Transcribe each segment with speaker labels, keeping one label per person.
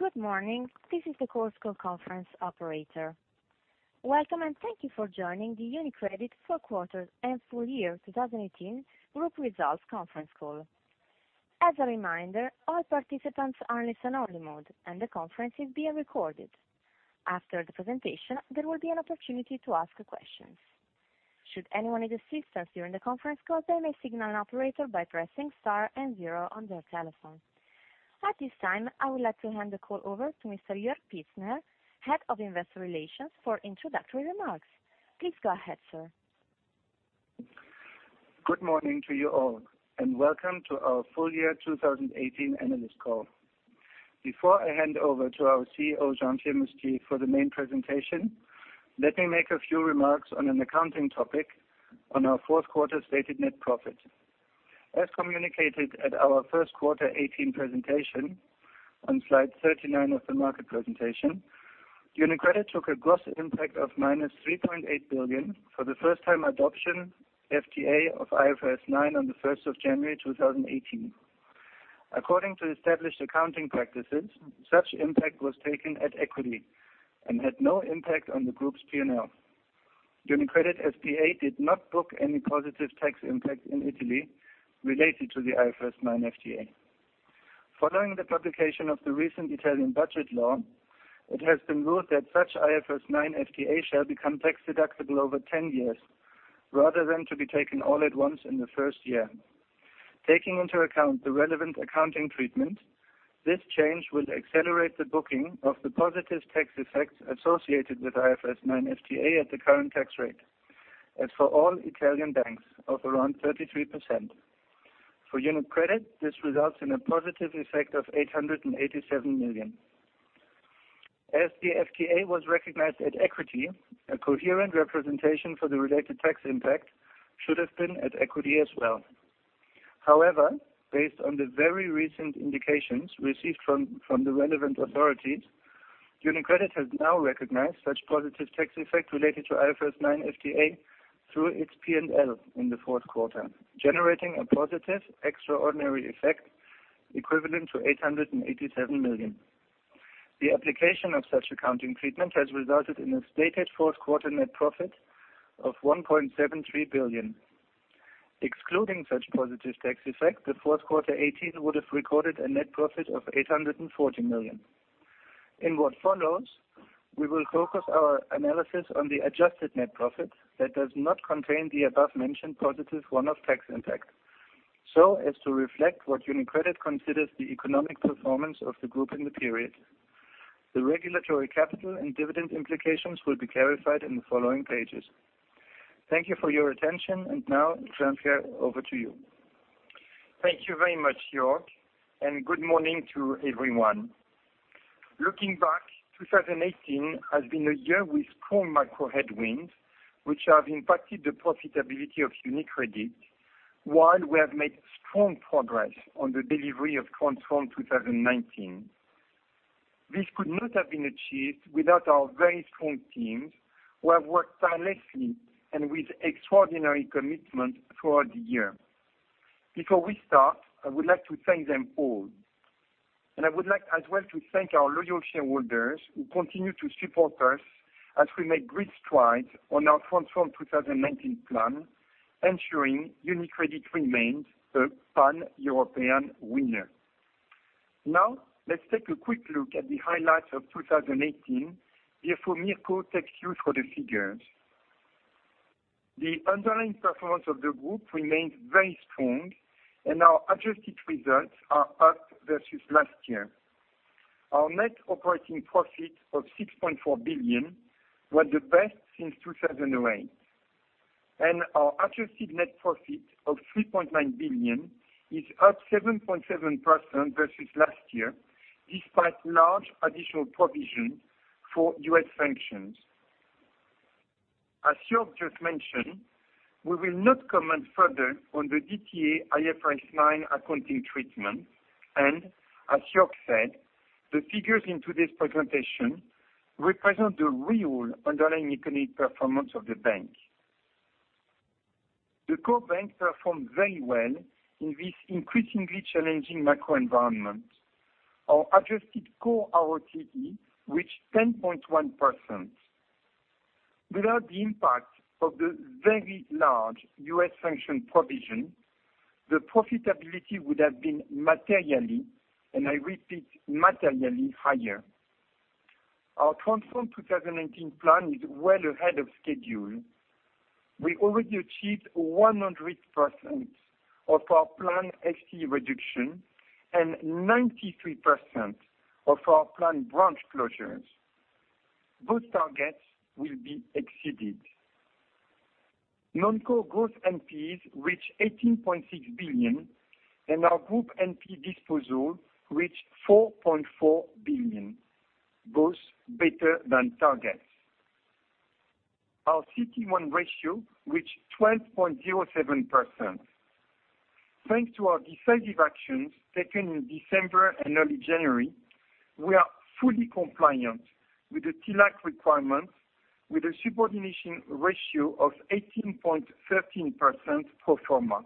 Speaker 1: Good morning. This is the conference call operator. Welcome, thank you for joining the UniCredit fourth quarter and full year 2018 group results conference call. As a reminder, all participants are in listen-only mode, the conference is being recorded. After the presentation, there will be an opportunity to ask questions. Should anyone need assistance during the conference call, they may signal an operator by pressing Star and zero on their telephone. At this time, I would like to hand the call over to Mr. Jörg Pietzner, Head of Investor Relations, for introductory remarks. Please go ahead, sir.
Speaker 2: Good morning to you all, welcome to our full year 2018 analyst call. Before I hand over to our CEO, Jean Pierre Mustier, for the main presentation, let me make a few remarks on an accounting topic on our fourth quarter stated net profit. As communicated at our first quarter 2018 presentation on slide 39 of the market presentation, UniCredit took a gross impact of -3.8 billion for the First Time Adoption, FTA, of IFRS 9 on the 1st of January 2018. According to established accounting practices, such impact was taken at equity and had no impact on the Group's P&L. UniCredit S.p.A. did not book any positive tax impact in Italy related to the IFRS 9 FTA. Following the publication of the recent Italian budget law, it has been ruled that such IFRS 9 FTA shall become tax-deductible over 10 years, rather than to be taken all at once in the first year. Taking into account the relevant accounting treatment, this change will accelerate the booking of the positive tax effects associated with IFRS 9 FTA at the current tax rate as for all Italian banks of around 33%. For UniCredit, this results in a positive effect of 887 million. As the FTA was recognized at equity, a coherent representation for the related tax impact should have been at equity as well. Based on the very recent indications received from the relevant authorities, UniCredit has now recognized such positive tax effect related to IFRS 9 FTA through its P&L in the fourth quarter, generating a positive extraordinary effect equivalent to 887 million. The application of such accounting treatment has resulted in a stated fourth quarter net profit of 1.73 billion. Excluding such positive tax effect, the fourth quarter 2018 would have recorded a net profit of 840 million. In what follows, we will focus our analysis on the adjusted net profit that does not contain the above-mentioned positive one-off tax impact so as to reflect what UniCredit considers the economic performance of the group in the period. The regulatory capital and dividend implications will be clarified in the following pages. Thank you for your attention, now, Jean Pierre, over to you.
Speaker 3: Thank you very much, Jörg, and good morning to everyone. Looking back, 2018 has been a year with strong macro headwinds, which have impacted the profitability of UniCredit, while we have made strong progress on the delivery of Transform 2019. This could not have been achieved without our very strong teams, who have worked tirelessly and with extraordinary commitment throughout the year. Before we start, I would like to thank them all, I would like as well to thank our loyal shareholders who continue to support us as we make great strides on our Transform 2019 plan, ensuring UniCredit remains a pan-European winner. Let's take a quick look at the highlights of 2018. Therefore, Mirko takes you through the figures. The underlying performance of the Group remains very strong, and our adjusted results are up versus last year. Our net operating profit of 6.4 billion was the best since 2008, and our adjusted net profit of 3.9 billion is up 7.7% versus last year, despite large additional provisions for U.S. sanctions. As Jörg just mentioned, we will not comment further on the DTA IFRS 9 accounting treatment, and as Jörg said, the figures in today's presentation represent the real underlying economic performance of the bank. The Core Bank performed very well in this increasingly challenging macro environment. Our adjusted core ROTCE reached 10.1%. Without the impact of the very large U.S. sanction provision, the profitability would have been materially, and I repeat, materially higher. Our Transform 2019 plan is well ahead of schedule. We already achieved 100% of our planned FTE reduction and 93% of our planned branch closures. Both targets will be exceeded. Non-core gross NPEs reached 18.6 billion, and our Group NPE disposal reached 4.4 billion, both better than targets. Our CET1 ratio reached 12.07%. Thanks to our decisive actions taken in December and early January. We are fully compliant with the TLAC requirements with a subordination ratio of 18.13% pro forma.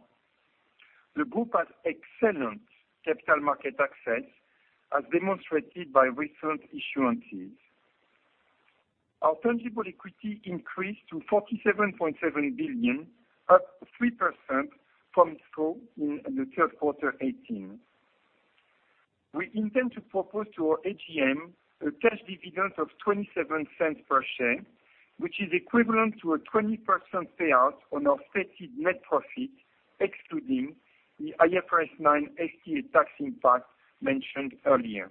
Speaker 3: The Group has excellent capital market access, as demonstrated by recent issuances. Our tangible equity increased to 47.7 billion, up 3% from scope in the third quarter 2018. We intend to propose to our AGM a cash dividend of 0.27 per share, which is equivalent to a 20% payout on our stated net profit, excluding the IFRS 9 FTA tax impact mentioned earlier.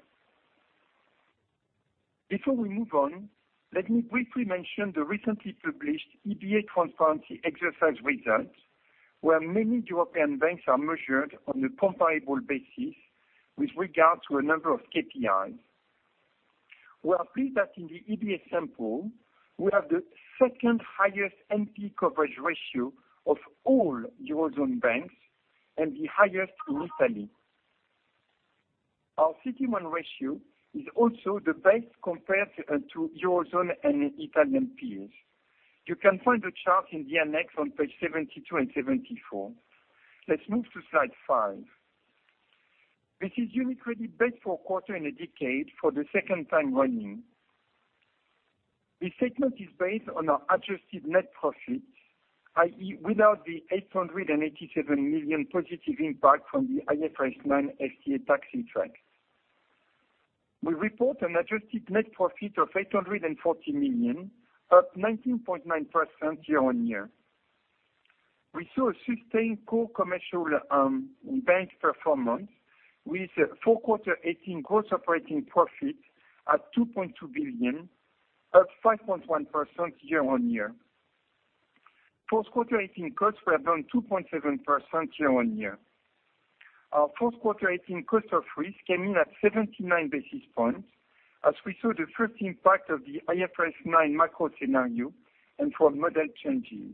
Speaker 3: Before we move on, let me briefly mention the recently published EBA transparency exercise results, where many European banks are measured on a comparable basis with regards to a number of KPIs. We are pleased that in the EBA sample, we have the second highest NPE coverage ratio of all Eurozone banks and the highest in Italy. Our CET1 ratio is also the best compared to Eurozone and Italian peers. You can find a chart in the annex on page 72 and 74. Let's move to slide 5. This is UniCredit's best full quarter in a decade for the second time running. This statement is based on our adjusted net profit, i.e., without the 887 million positive impact from the IFRS 9 FTA tax subtract. We report an adjusted net profit of 840 million, up 19.9% year-on-year. We saw a sustained Core Commercial Bank performance with full quarter 2018 gross operating profit at 2.2 billion, up 5.1% year-on-year. Fourth quarter 2018 costs were down 2.7% year-on-year. Our fourth quarter 2018 cost of risk came in at 79 basis points, as we saw the first impact of the IFRS 9 macro scenario and from model changes.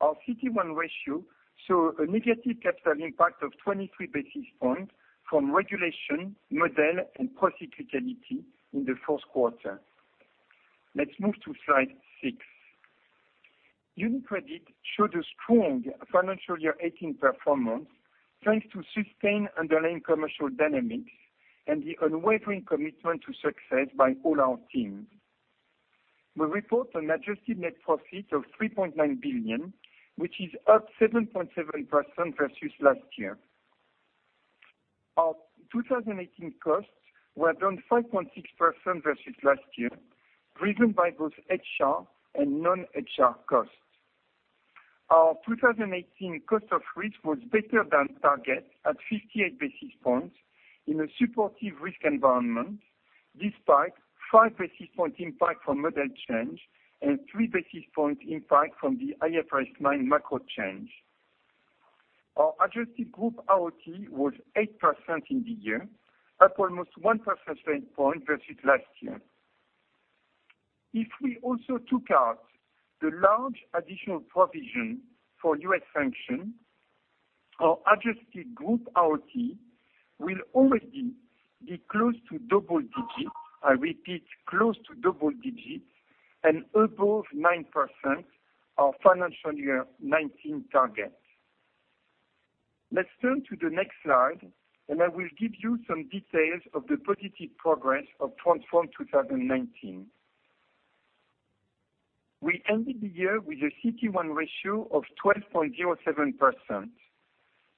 Speaker 3: Our CET1 ratio saw a negative capital impact of 23 basis points from regulation, model, and profitability in the first quarter. Let's move to slide six. UniCredit showed a strong financial year 2018 performance, thanks to sustained underlying commercial dynamics and the unwavering commitment to success by all our teams. We report an adjusted net profit of 3.9 billion, which is up 7.7% versus last year. Our 2018 costs were down 5.6% versus last year, driven by both HR and non-HR costs. Our 2018 cost of risk was better than target at 58 basis points in a supportive risk environment, despite five basis point impact from model change and three basis point impact from the IFRS 9 macro change. Our adjusted Group ROTE was 8% in the year, up almost one percentage point versus last year. If we also took out the large additional provision for U.S. sanction, our adjusted Group ROTE will already be close to double digits, I repeat, close to double digits, and above 9% our financial year 2019 target. Let's turn to the next slide, and I will give you some details of the positive progress of Transform 2019. We ended the year with a CET1 ratio of 12.07%.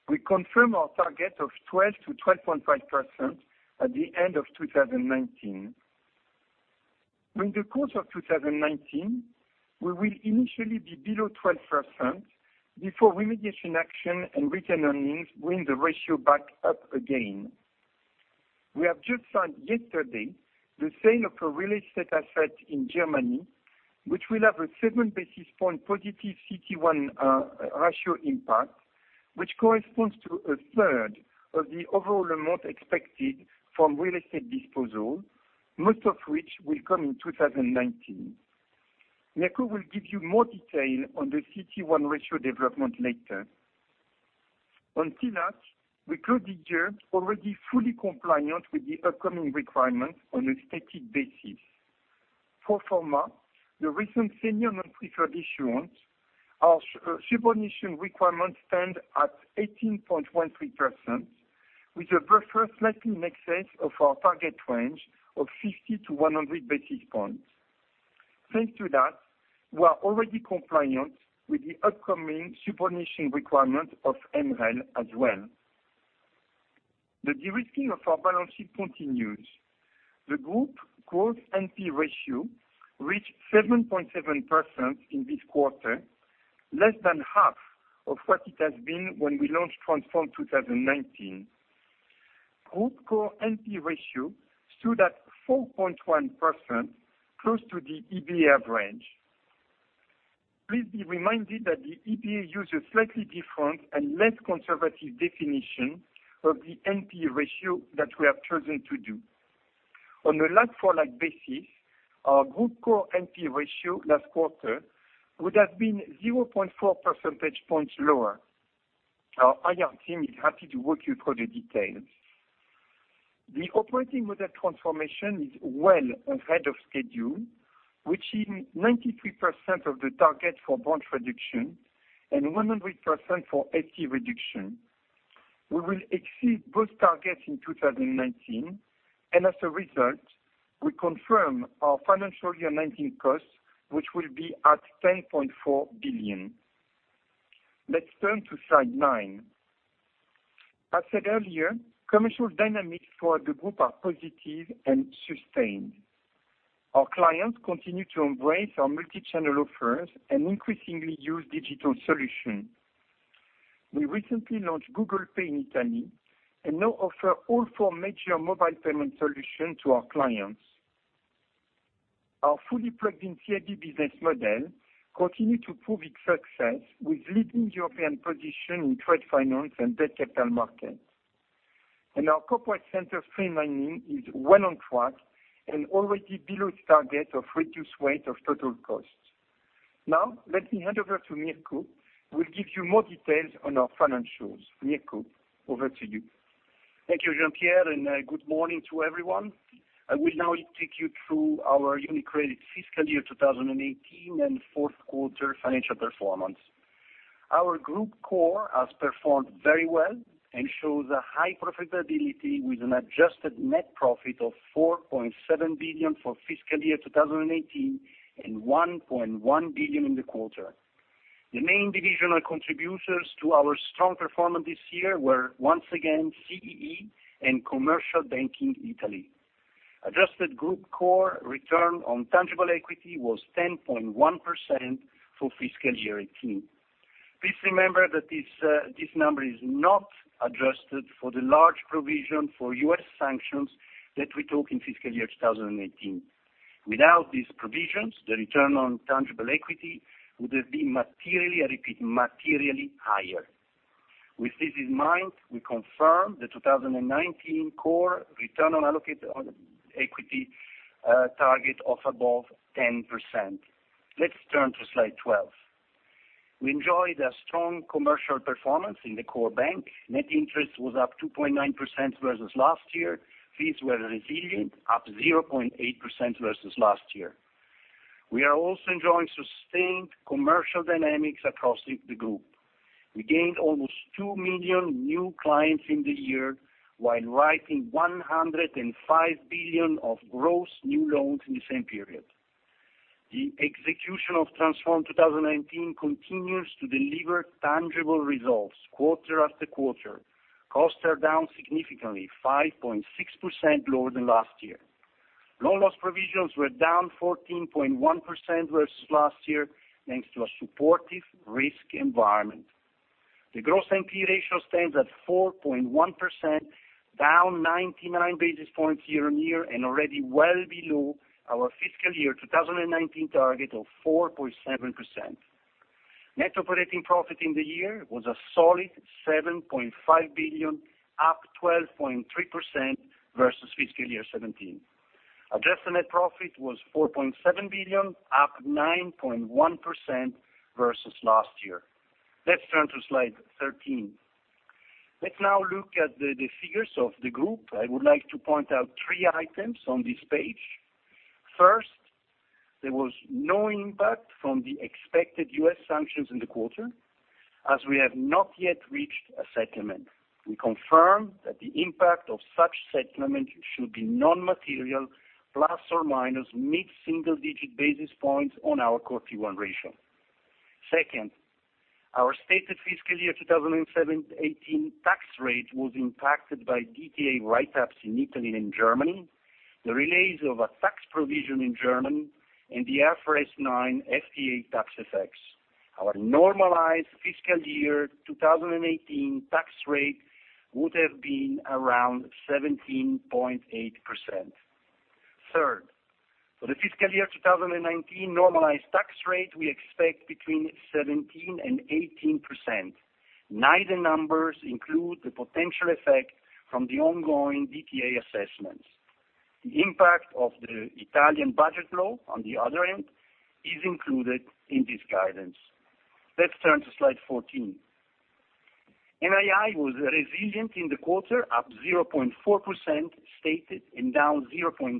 Speaker 3: We confirm our target of 12%-12.5% at the end of 2019. In the course of 2019, we will initially be below 12% before remediation action and retained earnings bring the ratio back up again. We have just signed yesterday the sale of a real estate asset in Germany, which will have a seven basis point positive CET1 ratio impact, which corresponds to a third of the overall amount expected from real estate disposal, most of which will come in 2019. Mirko will give you more detail on the CET1 ratio development later. On TLAC, we closed the year already fully compliant with the upcoming requirements on a stated basis. Pro forma the recent senior non-preferred issuance, our subordination requirements stand at 18.13%, which is a buffer slightly in excess of our target range of 50-100 basis points. Thanks to that, we are already compliant with the upcoming subordination requirement of MREL as well. The de-risking of our balance sheet continues. The Group Core NP ratio reached 7.7% in this quarter, less than half of what it has been when we launched Transform 2019. Group Core NP ratio stood at 4.1%, close to the EBA range. Please be reminded that the EBA uses slightly different and less conservative definition of the NP ratio that we have chosen to do. On a like-for-like basis, our Group Core NP ratio last quarter would have been 0.4 percentage points lower. Our IR team is happy to walk you through the details. The operating model transformation is well ahead of schedule, reaching 93% of the target for branch reduction and 100% for head count reduction. We will exceed both targets in 2019, and as a result, we confirm our financial year 2019 costs, which will be at 10.4 billion. Let's turn to slide nine. As said earlier, commercial dynamics for the group are positive and sustained. Our clients continue to embrace our multi-channel offers and increasingly use digital solutions. We recently launched Google Pay in Italy, now offer all four major mobile payment solutions to our clients. Our fully plugged-in CIB business model continue to prove its success with leading European position in trade finance and debt capital markets. Our corporate center streamlining is well on track and already below target of reduced weight of total costs. Now, let me hand over to Mirko, who will give you more details on our financials. Mirko, over to you.
Speaker 4: Thank you, Jean Pierre, and good morning to everyone. I will now take you through our UniCredit fiscal year 2018 and fourth quarter financial performance. Our Group Core has performed very well and shows a high profitability with an adjusted net profit of 4.7 billion for fiscal year 2018, and 1.1 billion in the quarter. The main divisional contributors to our strong performance this year were, once again, CEE and Commercial Banking Italy. Adjusted Group Core return on tangible equity was 10.1% for fiscal year 2018. Please remember that this number is not adjusted for the large provision for U.S. sanctions that we took in fiscal year 2018. Without these provisions, the return on tangible equity would have been materially, I repeat, materially higher. With this in mind, we confirm the 2019 core return on equity target of above 10%. Let's turn to slide 12. We enjoyed a strong commercial performance in the core bank. Net interest was up 2.9% versus last year. Fees were resilient, up 0.8% versus last year. We are also enjoying sustained commercial dynamics across the group. We gained almost two million new clients in the year, while writing 105 billion of gross new loans in the same period. The execution of Transform 2019 continues to deliver tangible results quarter after quarter. Costs are down significantly, 5.6% lower than last year. Loan loss provisions were down 14.1% versus last year, thanks to a supportive risk environment. The gross NPL ratio stands at 4.1%, down 99 basis points year-on-year, and already well below our fiscal year 2019 target of 4.7%. Net operating profit in the year was a solid 7.5 billion, up 12.3% versus fiscal year 2017. Adjusted net profit was 4.7 billion, up 9.1% versus last year. Let's turn to slide 13. Let's now look at the figures of the group. I would like to point out three items on this page. First, there was no impact from the expected U.S. sanctions in the quarter, as we have not yet reached a settlement. We confirm that the impact of such settlement should be non-material, ± mid-single digit basis points on our Core Tier 1 ratio. Second, our stated fiscal year 2017-2018 tax rate was impacted by DTA write-ups in Italy and in Germany, the release of a tax provision in Germany, and the IFRS 9 FTA tax effects. Our normalized fiscal year 2018 tax rate would have been around 17.8%. Third, for the fiscal year 2019 normalized tax rate, we expect between 17% and 18%. Neither numbers include the potential effect from the ongoing DTA assessments. The impact of the Italian budget law, on the other hand, is included in this guidance. Let's turn to slide 14. NII was resilient in the quarter, up 0.4% stated and down 0.3%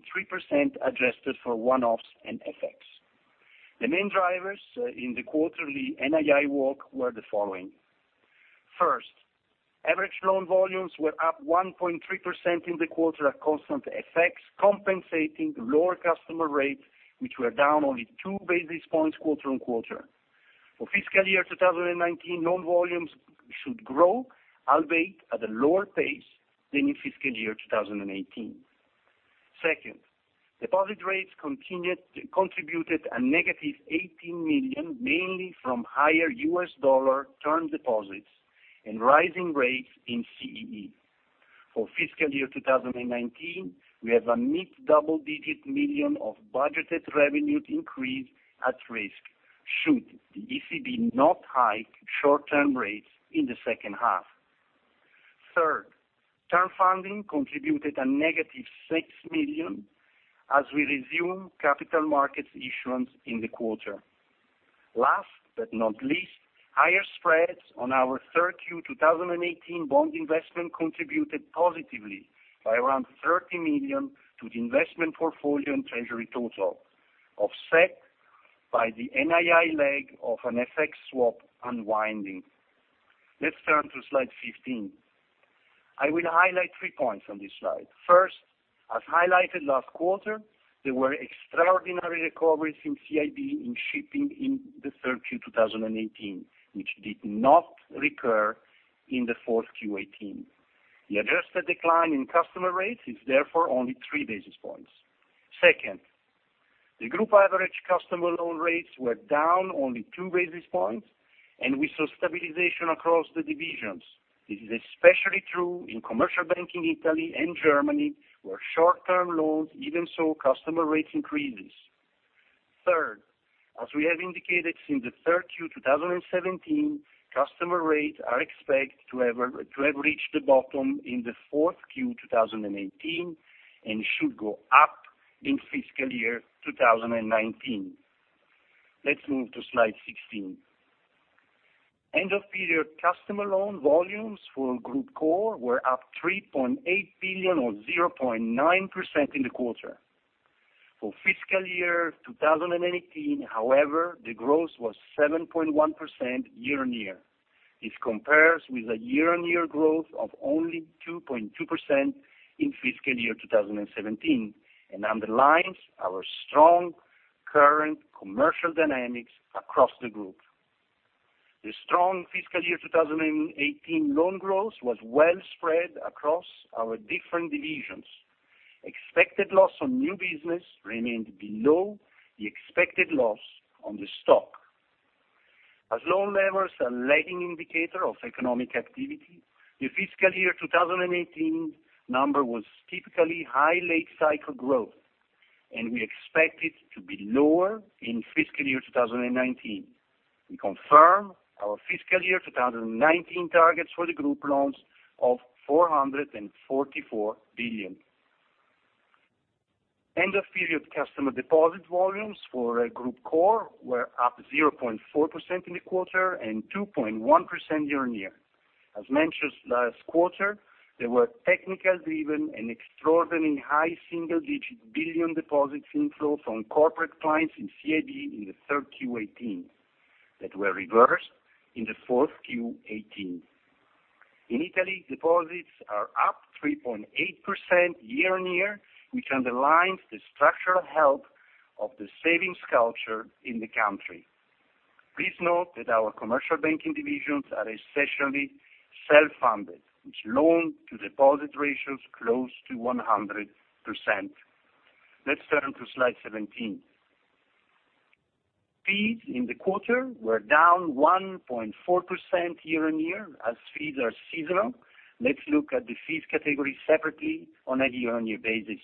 Speaker 4: adjusted for one-offs and FX. The main drivers in the quarterly NII walk were the following. First, average loan volumes were up 1.3% in the quarter at constant FX, compensating lower customer rates, which were down only 2 basis points quarter-on-quarter. For fiscal year 2019, loan volumes should grow, albeit at a lower pace than in fiscal year 2018. Second, deposit rates contributed a -18 million, mainly from higher US dollar term deposits and rising rates in CEE. For fiscal year 2019, we have a mid-double digit million of budgeted revenue increase at risk, should the ECB not hike short-term rates in the second half. Third, term funding contributed a -6 million, as we resume capital markets issuance in the quarter. Last but not least, higher spreads on our 3Q 2018 bond investment contributed positively by around 30 million to the investment portfolio and treasury total, offset by the NII leg of an FX swap unwinding. Let's turn to slide 15. I will highlight three points on this slide. First, as highlighted last quarter, there were extraordinary recoveries in CIB in shipping in the 3Q 2018, which did not recur in the fourth Q 2018. The adjusted decline in customer rates is therefore only 3 basis points. Second, the group average customer loan rates were down only 2 basis points, and we saw stabilization across the divisions. This is especially true in Commercial Banking Italy and Germany, where short-term loans even saw customer rate increases. Third, as we have indicated since the 3Q 2017, customer rates are expected to have reached the bottom in the fourth Q 2018 and should go up in fiscal year 2019. Let's move to slide 16. End-of-period customer loan volumes for Group Core were up 3.8 billion, or 0.9% in the quarter. For fiscal year 2018, however, the growth was 7.1% year-on-year. This compares with a year-on-year growth of only 2.2% in fiscal year 2017 and underlines our strong current commercial dynamics across the group. The strong fiscal year 2018 loan growth was well spread across our different divisions. Expected loss on new business remained below the expected loss on the stock. As loan levels are a lagging indicator of economic activity, the fiscal year 2018 number was typically high late cycle growth, and we expect it to be lower in fiscal year 2019. We confirm our fiscal year 2019 targets for the group loans of 444 billion. End-of-period customer deposit volumes for Group Core were up 0.4% in the quarter and 2.1% year-on-year. As mentioned last quarter, there were technical-driven and extraordinary high single-digit billion deposits inflows on corporate clients in CIB in the 3Q 2018, that were reversed in the 4Q 2018. In Italy, deposits are up 3.8% year-on-year, which underlines the structural health of the savings culture in the country. Please note that our commercial banking divisions are essentially self-funded, with loan-to-deposit ratios close to 100%. Let's turn to slide 17. Fees in the quarter were down 1.4% year-on-year. As fees are seasonal, let's look at the fees category separately on a year-on-year basis.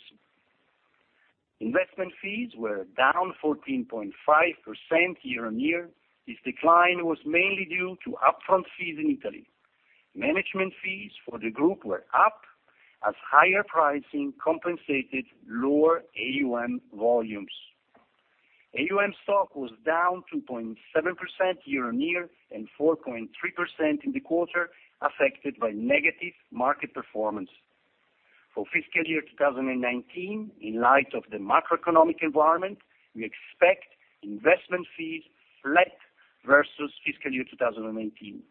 Speaker 4: Investment fees were down 14.5% year-on-year. This decline was mainly due to upfront fees in Italy. Management fees for the group were up as higher pricing compensated lower AUM volumes. AUM stock was down 2.7% year-on-year and 4.3% in the quarter, affected by negative market performance. For fiscal year 2019, in light of the macroeconomic environment, we expect investment fees flat versus fiscal year 2018.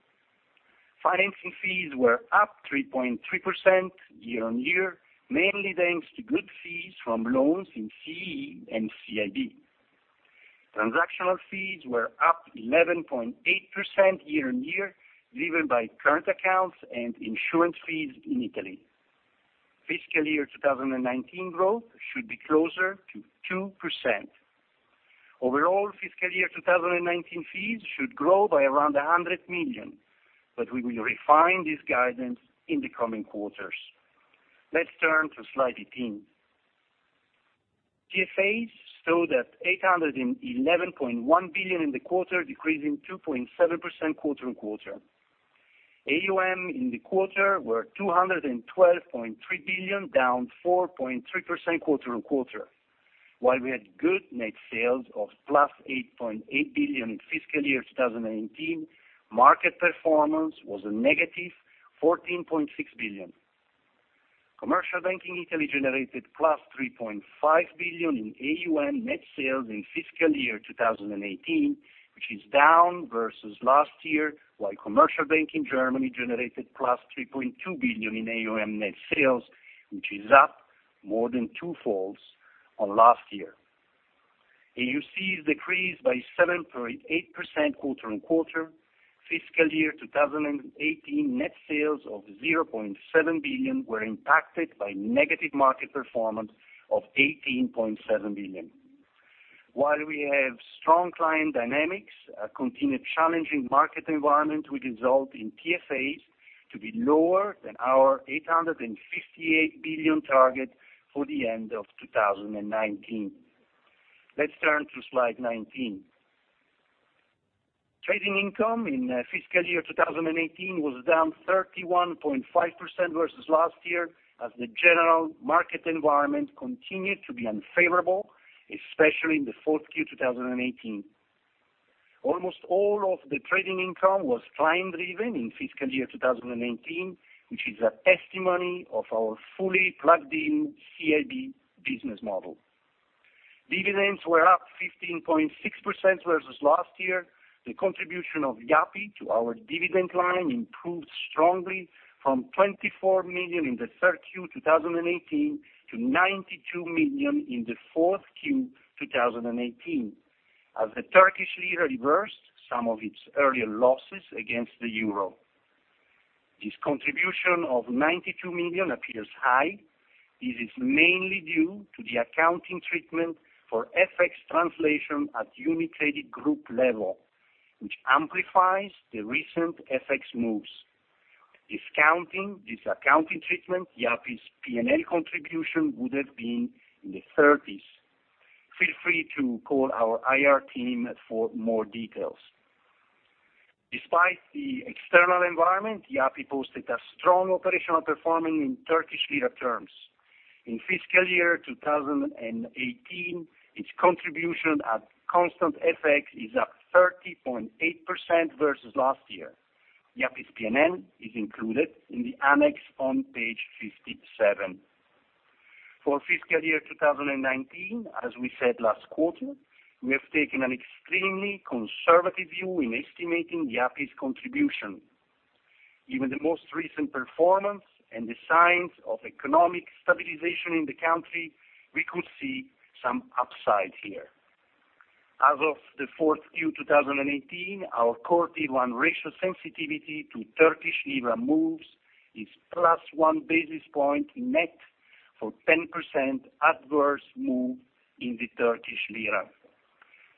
Speaker 4: Financing fees were up 3.3% year-on-year, mainly thanks to good fees from loans in CE and CIB. Transactional fees were up 11.8% year-on-year, driven by current accounts and insurance fees in Italy. Fiscal year 2019 growth should be closer to 2%. Overall, fiscal year 2019 fees should grow by around 100 million, but we will refine this guidance in the coming quarters. Let's turn to slide 18. TFAs stood at 811.1 billion in the quarter, decreasing 2.7% quarter-on-quarter. AUM in the quarter were 212.3 billion, down 4.3% quarter-on-quarter. While we had good net sales of +8.8 billion in fiscal year 2018, market performance was a +14.6 billion. Commercial Banking Italy generated +3.5 billion in AUM net sales in fiscal year 2018, which is down versus last year, while Commercial Banking Germany generated +3.2 billion in AUM net sales, which is up more than twofolds on last year. AUC decreased by 7.8% quarter-on-quarter. Fiscal year 2018 net sales of 0.7 billion were impacted by negative market performance of 18.7 billion. While we have strong client dynamics, a continued challenging market environment will result in TFAs to be lower than our 858 billion target for the end of 2019. Let's turn to slide 19. Trading income in fiscal year 2018 was down 31.5% versus last year, as the general market environment continued to be unfavorable, especially in the fourth Q 2018. Almost all of the trading income was client-driven in fiscal year 2019, which is a testimony of our fully plugged-in CIB business model. Dividends were up 15.6% versus last year. The contribution of Yapi to our dividend line improved strongly from 24 million in the third Q 2018 to 92 million in the fourth Q 2018, as the Turkish lira reversed some of its earlier losses against the euro. This contribution of 92 million appears high. This is mainly due to the accounting treatment for FX translation at UniCredit group level, which amplifies the recent FX moves. Discounting this accounting treatment, Yapi's P&L contribution would have been in the EUR 30s. Feel free to call our IR team for more details. Despite the external environment, Yapi posted a strong operational performance in Turkish lira terms. In fiscal year 2018, its contribution at constant FX is up 30.8% versus last year. Yapi's P&L is included in the annex on page 57. For fiscal year 2019, as we said last quarter, we have taken an extremely conservative view in estimating Yapi's contribution. Given the most recent performance and the signs of economic stabilization in the country, we could see some upside here. As of the fourth Q 2018, our core Tier 1 ratio sensitivity to Turkish lira moves is plus one basis point net for 10% adverse move in the Turkish lira.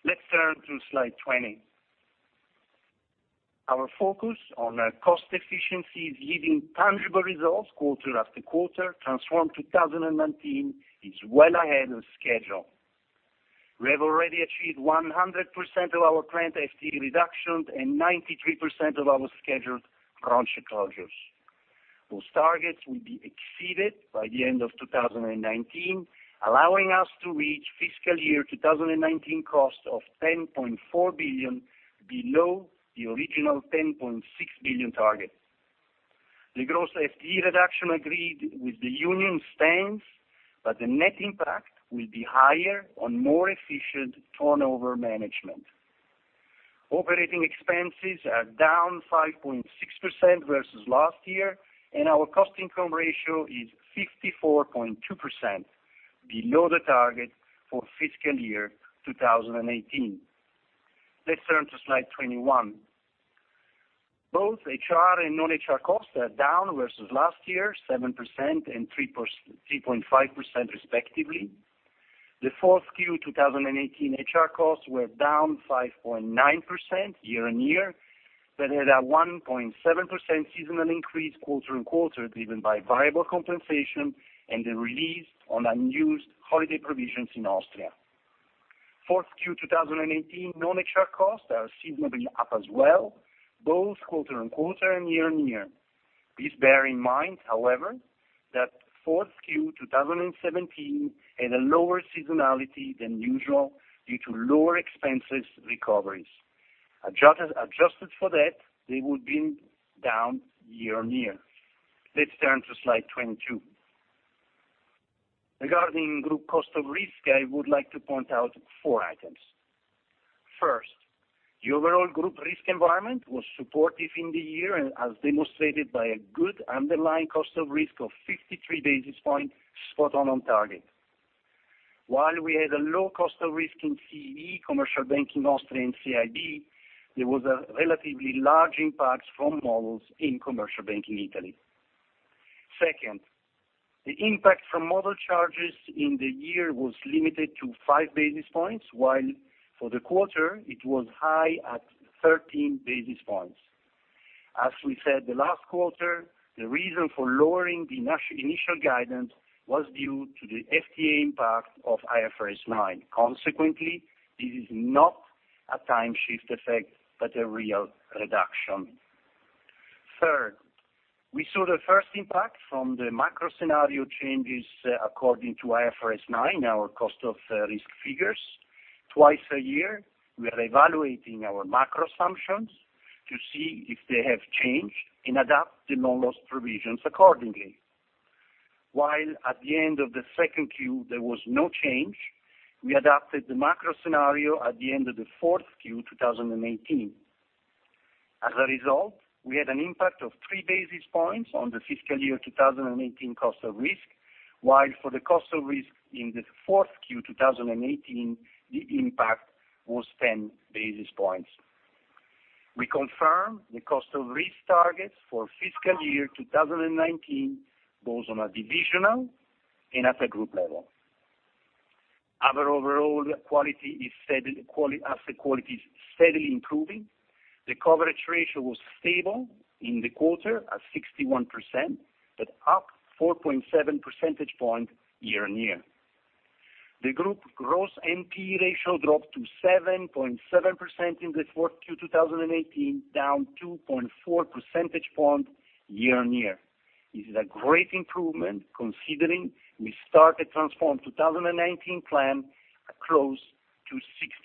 Speaker 4: Let's turn to slide 20. Our focus on cost efficiency is yielding tangible results quarter after quarter. Transform 2019 is well ahead of schedule. We have already achieved 100% of our current FTE reductions and 93% of our scheduled branch closures. Those targets will be exceeded by the end of 2019, allowing us to reach FY 2019 costs of 10.4 billion below the original 10.6 billion target. The gross FTE reduction agreed with the union stands, but the net impact will be higher on more efficient turnover management. Operating expenses are down 5.6% versus last year, and our cost income ratio is 54.2%, below the target for FY 2018. Let's turn to slide 21. Both HR and non-HR costs are down versus last year, 7% and 3.5% respectively. The fourth Q 2018 HR costs were down 5.9% year-on-year, but had a 1.7% seasonal increase quarter-on-quarter, driven by viable compensation and the release on unused holiday provisions in Austria. Fourth Q 2018 non-HR costs are seasonally up as well, both quarter-on-quarter and year-on-year. Please bear in mind, however, that fourth Q 2017 had a lower seasonality than usual due to lower expenses recoveries. Adjusted for that, they would have been down year-on-year. Let's turn to slide 22. Regarding group cost of risk, I would like to point out four items. First, the overall group risk environment was supportive in the year, as demonstrated by a good underlying cost of risk of 53 basis points, spot on on target. While we had a low cost of risk in CEE, Commercial Banking Austria, and CIB, there was a relatively large impact from models in Commercial Banking Italy. Second, the impact from model charges in the year was limited to 5 basis points, while for the quarter it was high at 13 basis points. As we said the last quarter, the reason for lowering the initial guidance was due to the FTA impact of IFRS 9. Consequently, this is not a time shift effect, but a real reduction. Third, we saw the first impact from the macro scenario changes according to IFRS 9, our cost of risk figures. Twice a year, we are evaluating our macro assumptions to see if they have changed and adapt the loan loss provisions accordingly. While at the end of the second Q, there was no change, we adapted the macro scenario at the end of the fourth Q 2018. As a result, we had an impact of 3 basis points on the FY 2018 cost of risk, while for the cost of risk in the fourth Q 2018, the impact was 10 basis points. We confirm the cost of risk targets for FY 2019, both on a divisional and at a group level. Our overall asset quality is steadily improving. The coverage ratio was stable in the quarter at 61%, but up 4.7 percentage points year-on-year. The group gross NPE ratio dropped to 7.7% in the fourth Q 2018, down 2.4 percentage point year-on-year. This is a great improvement considering we start the Transform 2019 plan close to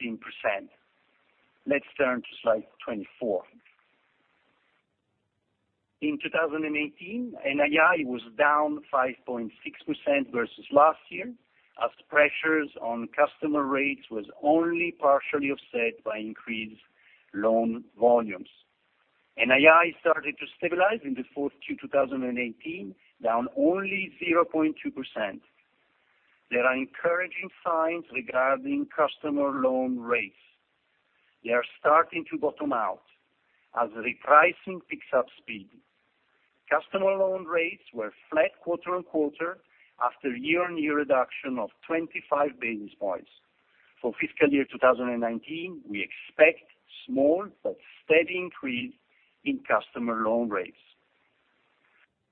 Speaker 4: 16%. Let's turn to slide 24. In 2018, NII was down 5.6% versus last year, as pressures on customer rates was only partially offset by increased loan volumes. NII started to stabilize in the fourth Q 2018, down only 0.2%. There are encouraging signs regarding customer loan rates. They are starting to bottom out as repricing picks up speed. Customer loan rates were flat quarter-on-quarter after year-on-year reduction of 25 basis points. For FY 2019, we expect small but steady increase in customer loan rates.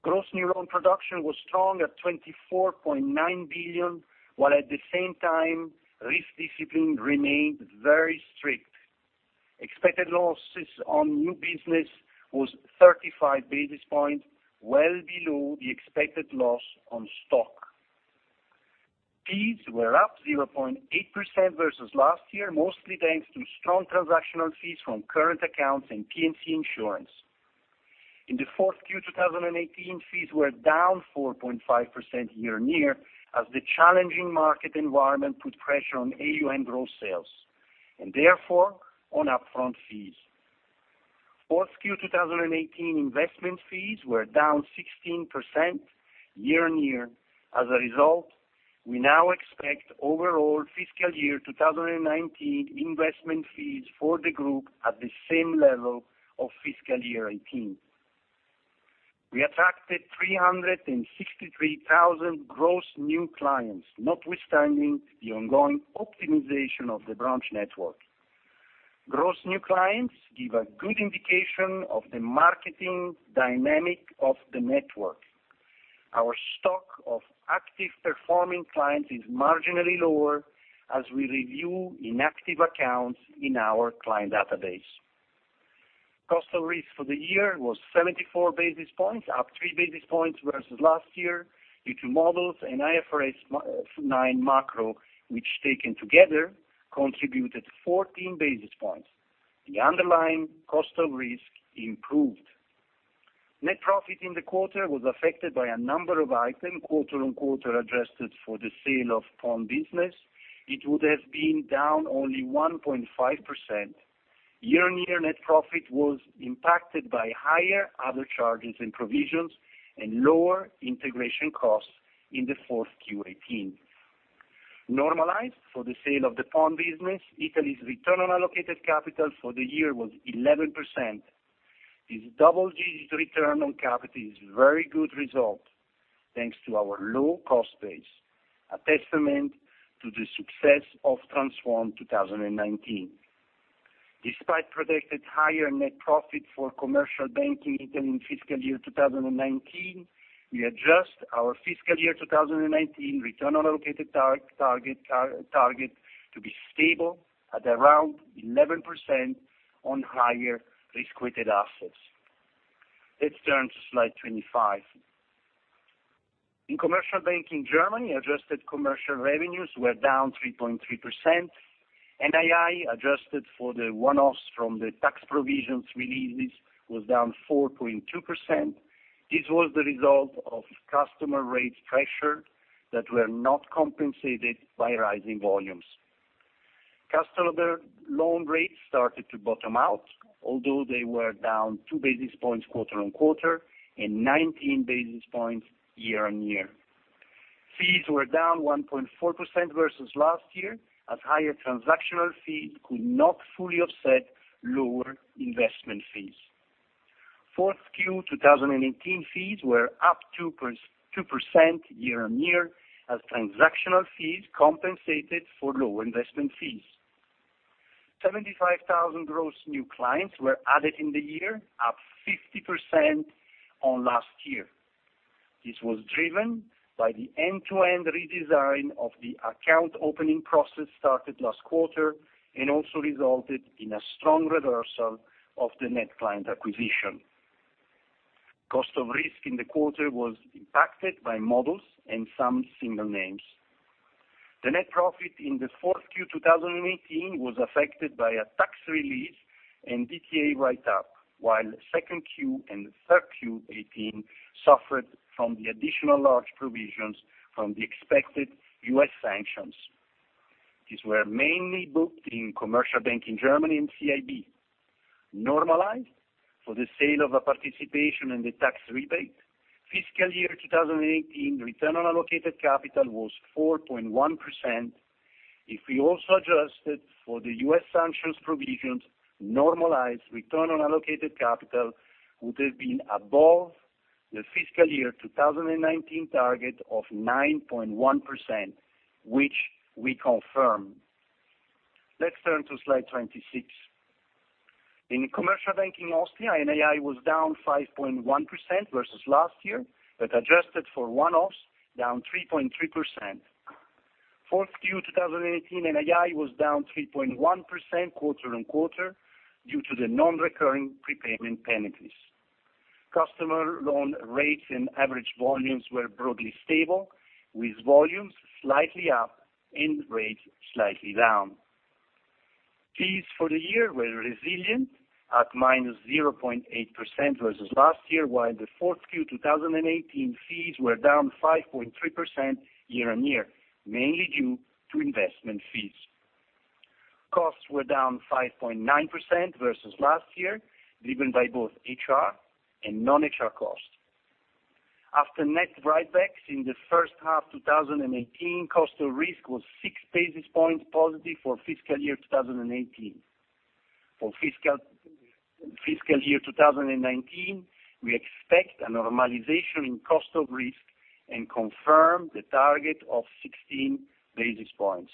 Speaker 4: Gross new loan production was strong at 24.9 billion, while at the same time, risk discipline remained very strict. Expected losses on new business was 35 basis points, well below the expected loss on stock. Fees were up 0.8% versus last year, mostly thanks to strong transactional fees from current accounts and P&C insurance. In the 4Q 2018, fees were down 4.5% year-on-year, as the challenging market environment put pressure on AUM gross sales, and therefore, on upfront fees. 4Q 2018 investment fees were down 16% year-on-year. As a result, we now expect overall FY 2019 investment fees for the group at the same level of FY 2018. We attracted 363,000 gross new clients, notwithstanding the ongoing optimization of the branch network. Gross new clients give a good indication of the marketing dynamic of the network. Our stock of active performing clients is marginally lower as we review inactive accounts in our client database. Cost of risk for the year was 74 basis points, up 3 basis points versus last year due to models and IFRS 9 macro, which taken together, contributed 14 basis points. The underlying cost of risk improved. Net profit in the quarter was affected by a number of items quarter-on-quarter adjusted for the sale of pawn business. It would have been down only 1.5%. Year-on-year net profit was impacted by higher other charges and provisions and lower integration costs in the 4Q 2018. Normalized for the sale of the pawn business, Italy's return on allocated capital for the year was 11%. This double-digit return on capital is very good result, thanks to our low cost base, a testament to the success of Transform 2019. Despite projected higher net profit for Commercial Banking Italy in FY 2019, we adjust our FY 2019 return on allocated target to be stable at around 11% on higher risk-weighted assets. Let's turn to slide 25. In Commercial Banking Germany, adjusted commercial revenues were down 3.3%. NII, adjusted for the one-offs from the tax provisions releases, was down 4.2%. This was the result of customer rates pressure that were not compensated by rising volumes. Customer loan rates started to bottom out, although they were down 2 basis points quarter-on-quarter and 19 basis points year-on-year. Fees were down 1.4% versus last year, as higher transactional fees could not fully offset lower investment fees. Fourth Q 2018 fees were up 2% year-on-year as transactional fees compensated for lower investment fees. 75,000 gross new clients were added in the year, up 50% on last year. This was driven by the end-to-end redesign of the account opening process started last quarter and also resulted in a strong reversal of the net client acquisition. Cost of risk in the quarter was impacted by models and some single names. The net profit in the fourth Q 2018 was affected by a tax release and DTA write-up, while second Q and third Q 2018 suffered from the additional large provisions from the expected U.S. sanctions. These were mainly booked in Commercial Banking Germany and CIB. Normalized for the sale of a participation and the tax rebate, FY 2018 return on allocated capital was 4.1%. If we also adjusted for the U.S. sanctions provisions, normalized return on allocated capital would have been above the FY 2019 target of 9.1%, which we confirm. Let's turn to slide 26. In Commercial Banking Austria, NII was down 5.1% versus last year, but adjusted for one-offs, down 3.3%. Fourth Q2018, NII was down 3.1% quarter-on-quarter due to the non-recurring prepayment penalties. Customer loan rates and average volumes were broadly stable, with volumes slightly up and rates slightly down. Fees for the year were resilient, at -0.8% versus last year, while the fourth Q2018 fees were down 5.3% year-on-year, mainly due to investment fees. Costs were down 5.9% versus last year, driven by both HR and non-HR costs. After net write-backs in the first half 2018, cost of risk was 6 basis points positive for fiscal year 2018. For fiscal year 2019, we expect a normalization in cost of risk and confirm the target of 16 basis points.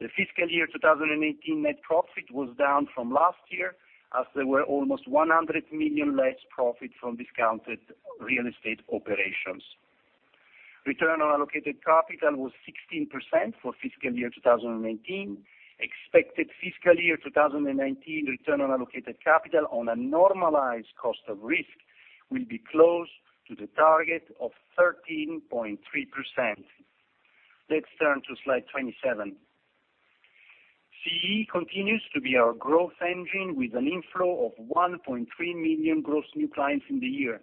Speaker 4: The fiscal year 2018 net profit was down from last year, as there were almost 100 million less profit from discounted real estate operations. Return on allocated capital was 16% for fiscal year 2019. Expected fiscal year 2019 return on allocated capital on a normalized cost of risk will be close to the target of 13.3%. Let's turn to slide 27. CEE continues to be our growth engine, with an inflow of 1.3 million gross new clients in the year.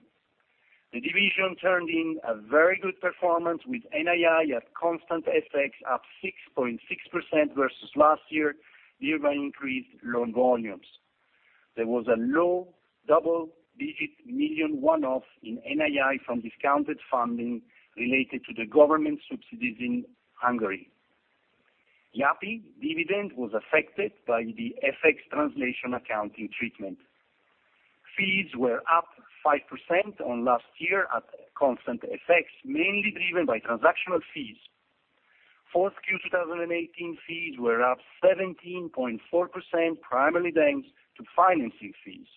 Speaker 4: The division turned in a very good performance, with NII at constant FX up 6.6% versus last year due to increased loan volumes. There was a EUR low double-digit million one-off in NII from discounted funding related to the government subsidies in Hungary. Yapı dividend was affected by the FX translation accounting treatment. Fees were up 5% on last year at constant FX, mainly driven by transactional fees. Fourth Q2018 fees were up 17.4%, primarily thanks to financing fees.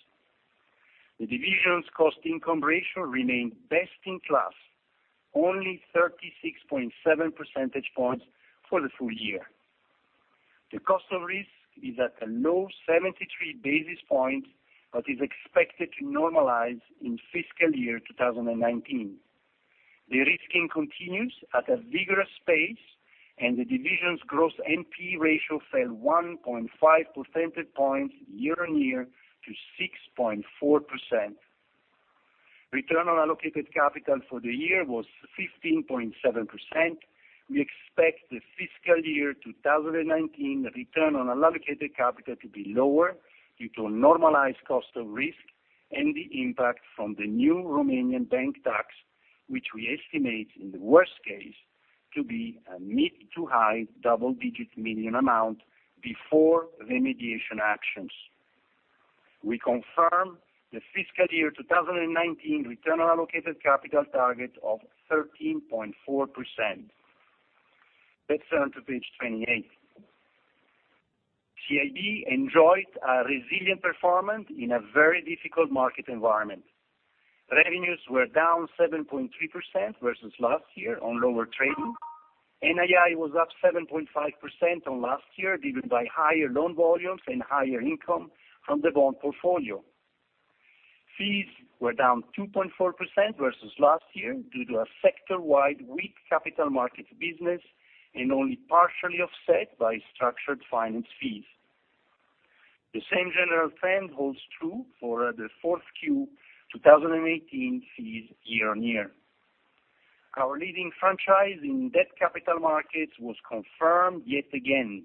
Speaker 4: The division's cost income ratio remained best-in-class, only 36.7 percentage points for the full year. The cost of risk is at a low 73 basis points, but is expected to normalize in fiscal year 2019. De-risking continues at a vigorous pace, and the division's gross NPE ratio fell 1.5 percentage points year-on-year to 6.4%. Return on allocated capital for the year was 15.7%. We expect the fiscal year 2019 return on allocated capital to be lower due to a normalized cost of risk and the impact from the new Romanian bank tax, which we estimate, in the worst case, to be a EUR mid-to-high double-digit million amount before remediation actions. We confirm the fiscal year 2019 return on allocated capital target of 13.4%. Let's turn to page 28. CIB enjoyed a resilient performance in a very difficult market environment. Revenues were down 7.3% versus last year on lower trading. NII was up 7.5% on last year, driven by higher loan volumes and higher income from the bond portfolio. Fees were down 2.4% versus last year due to a sector-wide weak capital markets business, and only partially offset by structured finance fees. The same general trend holds true for the Fourth Q2018 fees year-on-year. Our leading franchise in debt capital markets was confirmed yet again,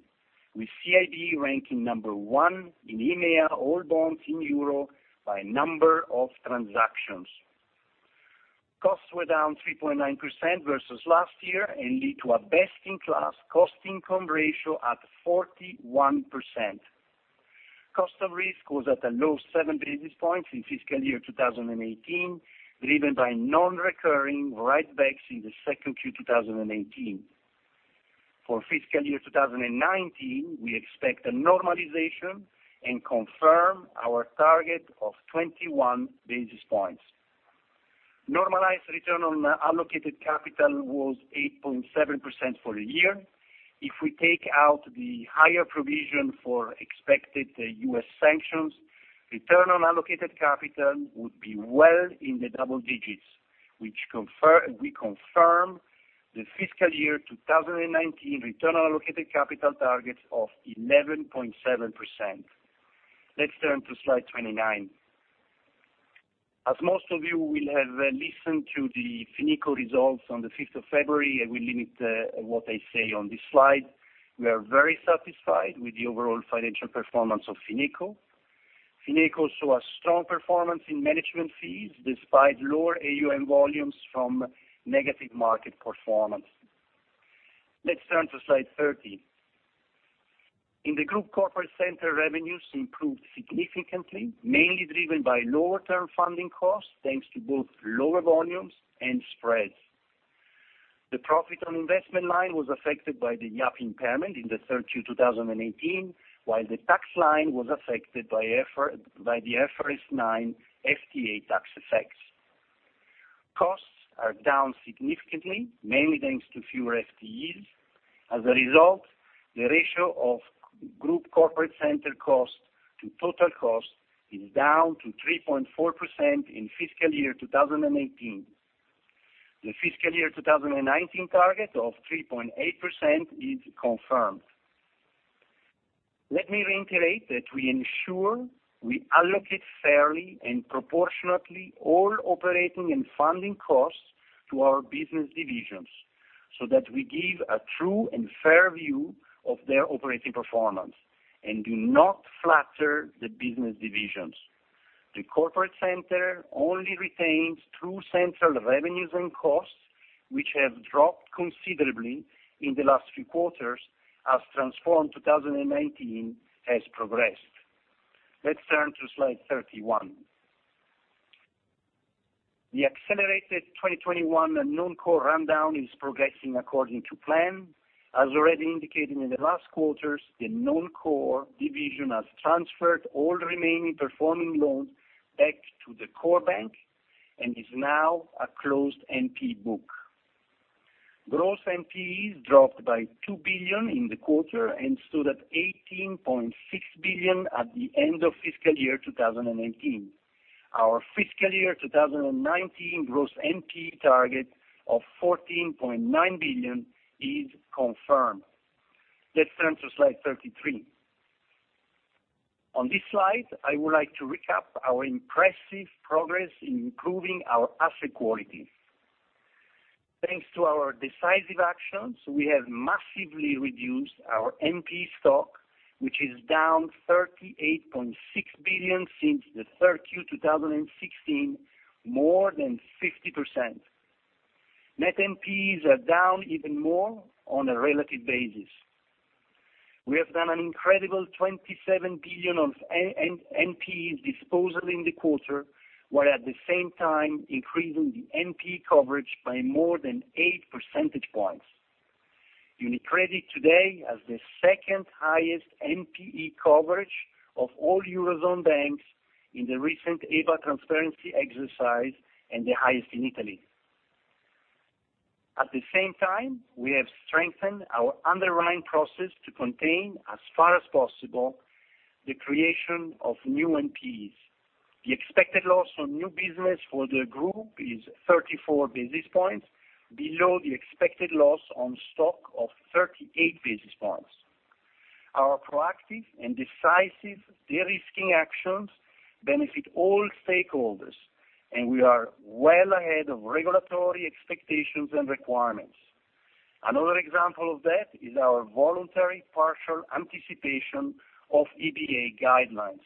Speaker 4: with CIB ranking number 1 in EMEA, all bonds in EUR, by number of transactions. Costs were down 3.9% versus last year and led to a best-in-class cost-income ratio at 41%. Cost of risk was at a low 7 basis points in fiscal year 2018, driven by non-recurring write-backs in the Second Q2018. For fiscal year 2019, we expect a normalization and confirm our target of 21 basis points. Normalized return on allocated capital was 8.7% for the year. If we take out the higher provision for expected U.S. sanctions, return on allocated capital would be well in the double digits. We confirm the FY 2019 return on allocated capital target of 11.7%. Let's turn to slide 29. As most of you will have listened to the Fineco results on the 5th of February, I will limit what I say on this slide. We are very satisfied with the overall financial performance of Fineco. Fineco saw a strong performance in management fees, despite lower AUM volumes from negative market performance. Let's turn to slide 30. In the Group Corporate Center, revenues improved significantly, mainly driven by lower term funding costs, thanks to both lower volumes and spreads. The profit on investment line was affected by the IAP impairment in the third Q2018, while the tax line was affected by the IFRS 9 FTA tax effects. Costs are down significantly, mainly thanks to fewer FTEs. As a result, the ratio of Group Corporate Center cost to total cost is down to 3.4% in FY 2018. The FY 2019 target of 3.8% is confirmed. Let me reiterate that we ensure we allocate fairly and proportionately all operating and funding costs to our business divisions, so that we give a true and fair view of their operating performance, and do not flatter the business divisions. The Corporate Center only retains true central revenues and costs, which have dropped considerably in the last few quarters as Transform 2019 has progressed. Let's turn to slide 31. The accelerated 2021 non-core rundown is progressing according to plan. As already indicated in the last quarters, the non-core division has transferred all remaining performing loans back to the core bank and is now a closed NPE book. Gross NPEs dropped by 2 billion in the quarter and stood at 18.6 billion at the end of FY 2018. Our FY 2019 gross NPE target of 14.9 billion is confirmed. Let's turn to slide 33. On this slide, I would like to recap our impressive progress in improving our asset quality. Thanks to our decisive actions, we have massively reduced our NPE stock, which is down 38.6 billion since the 3Q 2016, more than 50%. Net NPEs are down even more on a relative basis. We have done an incredible 27 billion of NPEs disposal in the quarter, while at the same time increasing the NPE coverage by more than eight percentage points. UniCredit today has the second highest NPE coverage of all Eurozone banks in the recent EBA transparency exercise, and the highest in Italy. At the same time, we have strengthened our underlying process to contain, as far as possible, the creation of new NPEs. The expected loss on new business for the group is 34 basis points, below the expected loss on stock of 38 basis points. Our proactive and decisive de-risking actions benefit all stakeholders, and we are well ahead of regulatory expectations and requirements. Another example of that is our voluntary partial anticipation of EBA guidelines.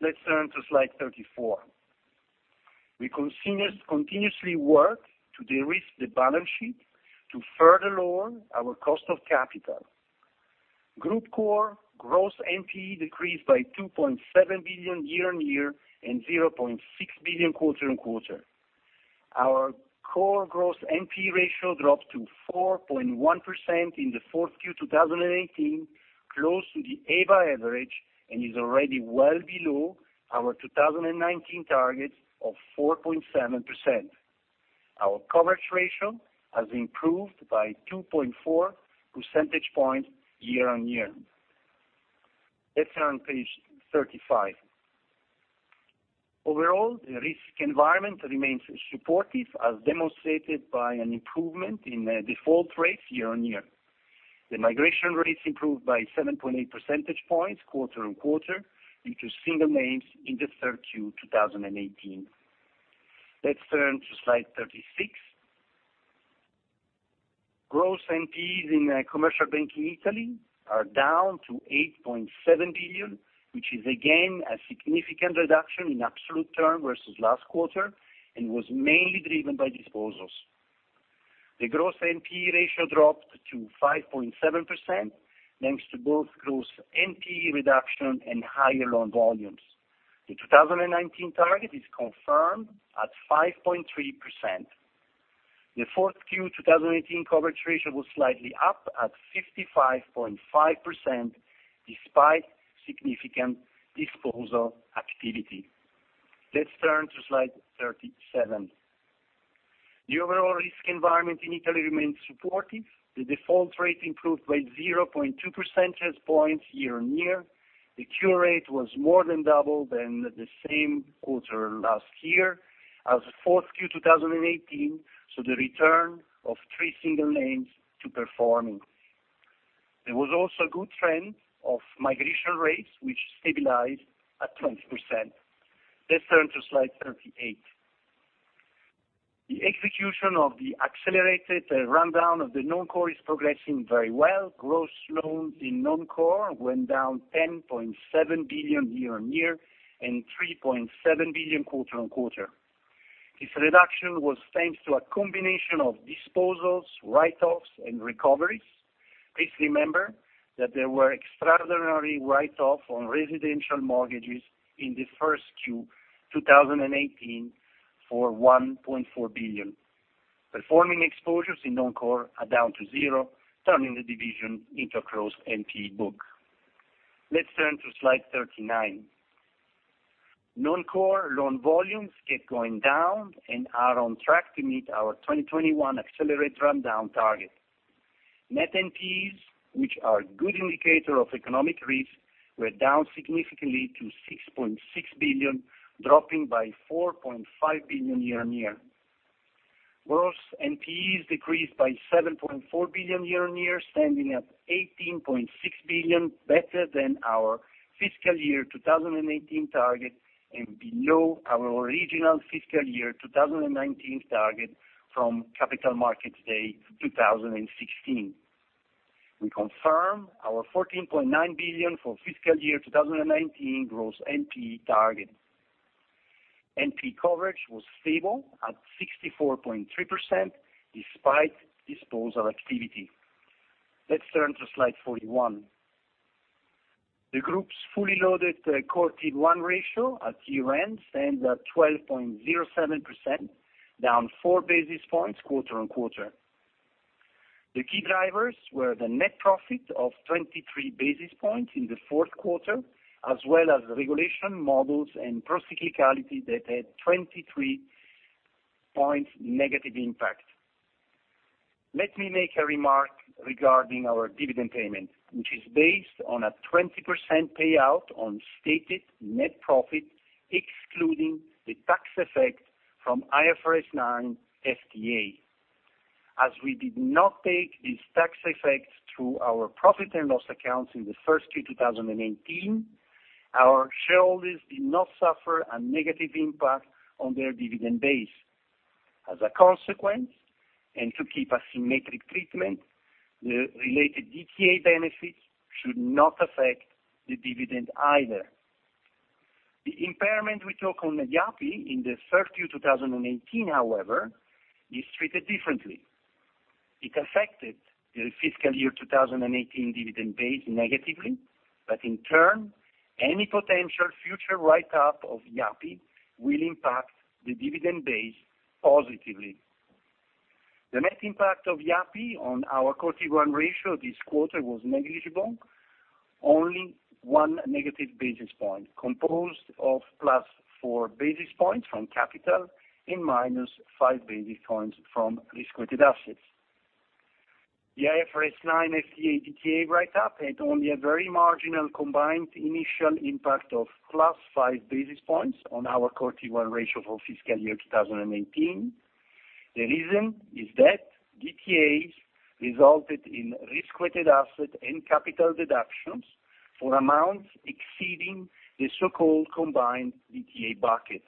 Speaker 4: Let's turn to slide 34. We continuously work to de-risk the balance sheet to further lower our cost of capital. Group Core gross NPE decreased by 2.7 billion year-on-year and 0.6 billion quarter-on-quarter. Our core gross NPE ratio dropped to 4.1% in the fourth Q 2018, close to the EBA average, and is already well below our 2019 target of 4.7%. Our coverage ratio has improved by 2.4 percentage points year-on-year. Let's turn page 35. Overall, the risk environment remains supportive, as demonstrated by an improvement in default rates year-on-year. The migration rates improved by 7.8 percentage points quarter-on-quarter due to single names in the 3Q 2018. Let's turn to slide 36. Gross NPEs in Commercial Banking Italy are down to 8.7 billion, which is again a significant reduction in absolute term versus last quarter, and was mainly driven by disposals. The gross NPE ratio dropped to 5.7%, thanks to both gross NPE reduction and higher loan volumes. The 2019 target is confirmed at 5.3%. The fourth Q 2018 coverage ratio was slightly up at 55.5%, despite significant disposal activity. Let's turn to slide 37. The overall risk environment in Italy remains supportive. The default rate improved by 0.2 percentage points year-on-year. The cure rate was more than double than the same quarter last year. As of fourth Q 2018, saw the return of three single names to performing. There was also a good trend of migration rates, which stabilized at 20%. Let's turn to slide 38. The execution of the accelerated rundown of the non-core is progressing very well. Gross loans in non-core went down 10.7 billion year-on-year and 3.7 billion quarter-on-quarter. This reduction was thanks to a combination of disposals, write-offs, and recoveries. Please remember that there were extraordinary write-off on residential mortgages in the first Q 2018 for 1.4 billion. Performing exposures in non-core are down to zero, turning the division into a gross NPE book. Let's turn to slide 39. Non-core loan volumes keep going down and are on track to meet our 2021 accelerated rundown target. Net NPEs, which are a good indicator of economic risk, were down significantly to 6.6 billion, dropping by 4.5 billion year-on-year. Gross NPEs decreased by 7.4 billion year-on-year, standing at 18.6 billion, better than our fiscal year 2018 target and below our original fiscal year 2019 target from Capital Markets Day 2016. We confirm our 14.9 billion for fiscal year 2019 gross NPE target. NPE coverage was stable at 64.3%, despite disposal activity. Let's turn to slide 41. The group's fully loaded core Tier 1 ratio at year-end stands at 12.07%, down 4 basis points quarter-on-quarter. The key drivers were the net profit of 23 basis points in the fourth quarter, as well as regulation models and procyclicality that had 23 points negative impact. Let me make a remark regarding our dividend payment, which is based on a 20% payout on stated net profit, excluding the tax effect from IFRS 9 FTA. We did not take these tax effects through our profit and loss accounts in the first Q 2018, our shareholders did not suffer a negative impact on their dividend base. To keep a symmetric treatment, the related DTA benefits should not affect the dividend either. The impairment we took on IAP in the first Q 2018, however, is treated differently. It affected the fiscal year 2018 dividend base negatively. In turn, any potential future write-up of IAP will impact the dividend base positively. The net impact of IAP on our core Tier 1 ratio this quarter was negligible, only one negative basis point, composed of +4 basis points from capital and -5 basis points from risk-weighted assets. The IFRS 9 FTA DTA write-up had only a very marginal combined initial impact of +5 basis points on our core Tier 1 ratio for fiscal year 2018. The reason is that DTAs resulted in risk-weighted asset and capital deductions for amounts exceeding the so-called combined DTA bucket.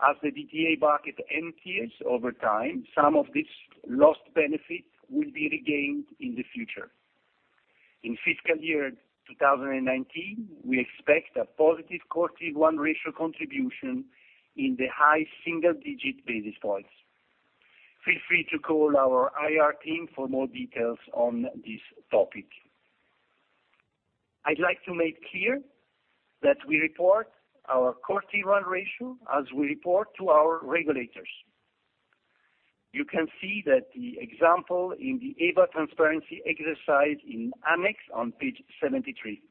Speaker 4: As the DTA bucket empties over time, some of this lost benefit will be regained in the future. In fiscal year 2019, we expect a positive core Tier 1 ratio contribution in the high single-digit basis points. Feel free to call our IR team for more details on this topic. I'd like to make clear that we report our core Tier 1 ratio as we report to our regulators. You can see that the example in the EBA transparency exercise in annex on page 73.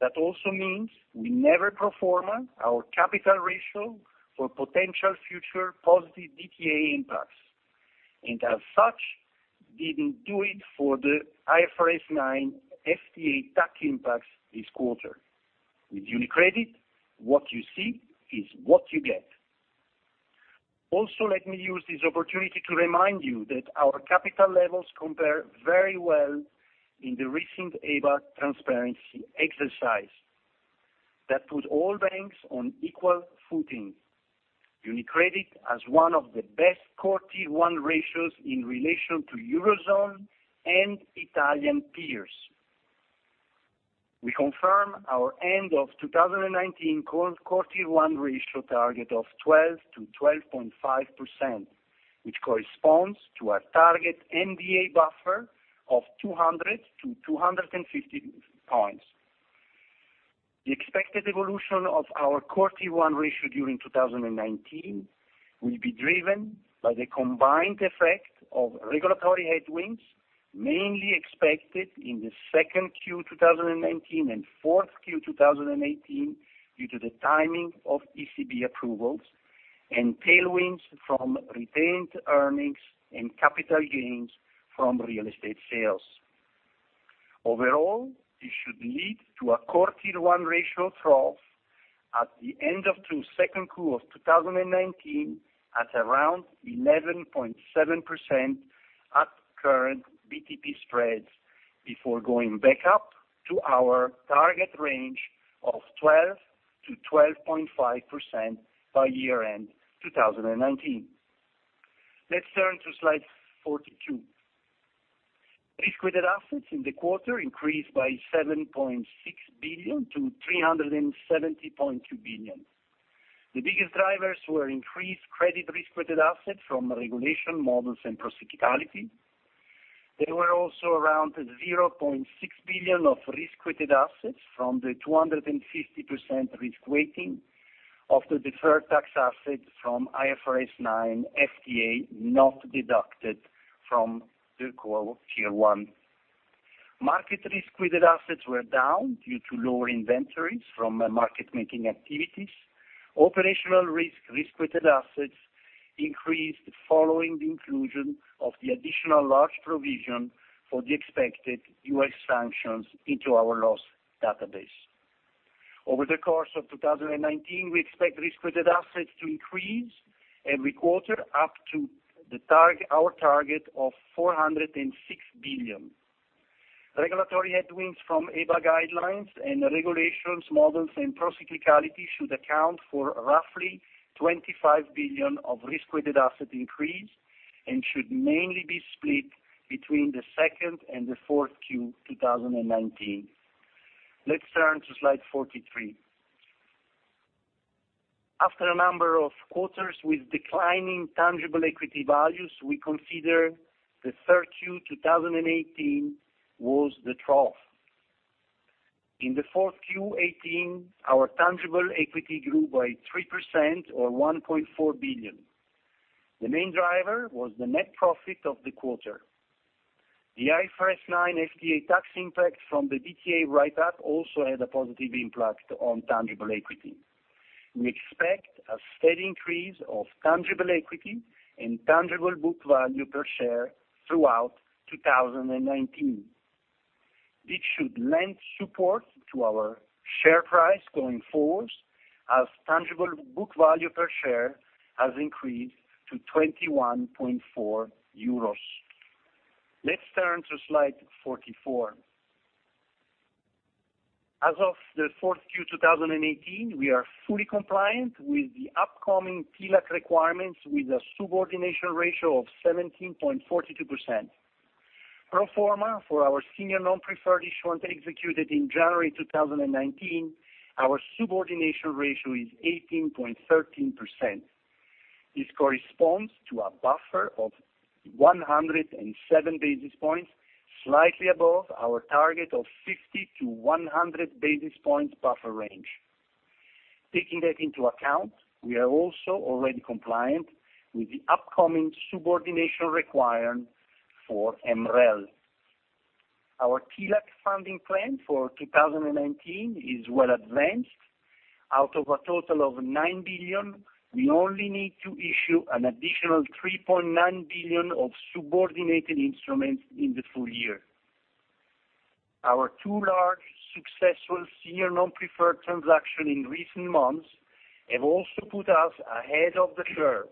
Speaker 4: That also means we never pro forma our capital ratio for potential future positive DTA impacts, and as such, didn't do it for the IFRS 9 FTA tax impacts this quarter. With UniCredit, what you see is what you get. Also, let me use this opportunity to remind you that our capital levels compare very well in the recent EBA transparency exercise that put all banks on equal footing. UniCredit has one of the best core Tier 1 ratios in relation to Eurozone and Italian peers. We confirm our end of 2019 core Tier 1 ratio target of 12%-12.5%, which corresponds to a target MDA buffer of 200-250 points. The expected evolution of our core Tier 1 ratio during 2019 will be driven by the combined effect of regulatory headwinds, mainly expected in the second Q 2019 and fourth Q 2018 due to the timing of ECB approvals, and tailwinds from retained earnings and capital gains from real estate sales. Overall, this should lead to a core Tier 1 ratio trough at the end of the second quarter of 2019 at around 11.7% at current BTP spreads, before going back up to our target range of 12%-12.5% by year-end 2019. Let's turn to slide 42. Risk-weighted assets in the quarter increased by 7.6 billion to 370.2 billion. The biggest drivers were increased credit risk-weighted assets from regulation models and procyclicality. There were also around 0.6 billion of risk-weighted assets from the 250% risk weighting of the deferred tax assets from IFRS 9 FTA not deducted from the core Tier 1. Market risk-weighted assets were down due to lower inventories from market-making activities. Operational risk risk-weighted assets increased following the inclusion of the additional large provision for the expected U.S. sanctions into our loss database. Over the course of 2019, we expect risk-weighted assets to increase every quarter up to our target of 406 billion. Regulatory headwinds from EBA guidelines and regulations, models, and procyclicality should account for roughly 25 billion of risk-weighted asset increase, and should mainly be split between the second and the fourth Q 2019. Let's turn to slide 43. After a number of quarters with declining tangible equity values, we consider the third Q 2018 was the trough. In the fourth Q 2018, our tangible equity grew by 3% or 1.4 billion. The main driver was the net profit of the quarter. The IFRS 9 FTA tax impact from the DTA write-up also had a positive impact on tangible equity. We expect a steady increase of tangible equity and tangible book value per share throughout 2019. This should lend support to our share price going forwards, as tangible book value per share has increased to 21.4 euros. Let's turn to slide 44. As of the fourth Q 2018, we are fully compliant with the upcoming TLAC requirements with a subordination ratio of 17.42%. Pro forma for our senior non-preferred issuance executed in January 2019, our subordination ratio is 18.13%. This corresponds to a buffer of 107 basis points, slightly above our target of 50-100 basis points buffer range. Taking that into account, we are also already compliant with the upcoming subordination requirement for MREL. Our TLAC funding plan for 2019 is well advanced. Out of a total of nine billion, we only need to issue an additional 3.9 billion of subordinated instruments in the full year. Our two large successful senior non-preferred transaction in recent months have also put us ahead of the curve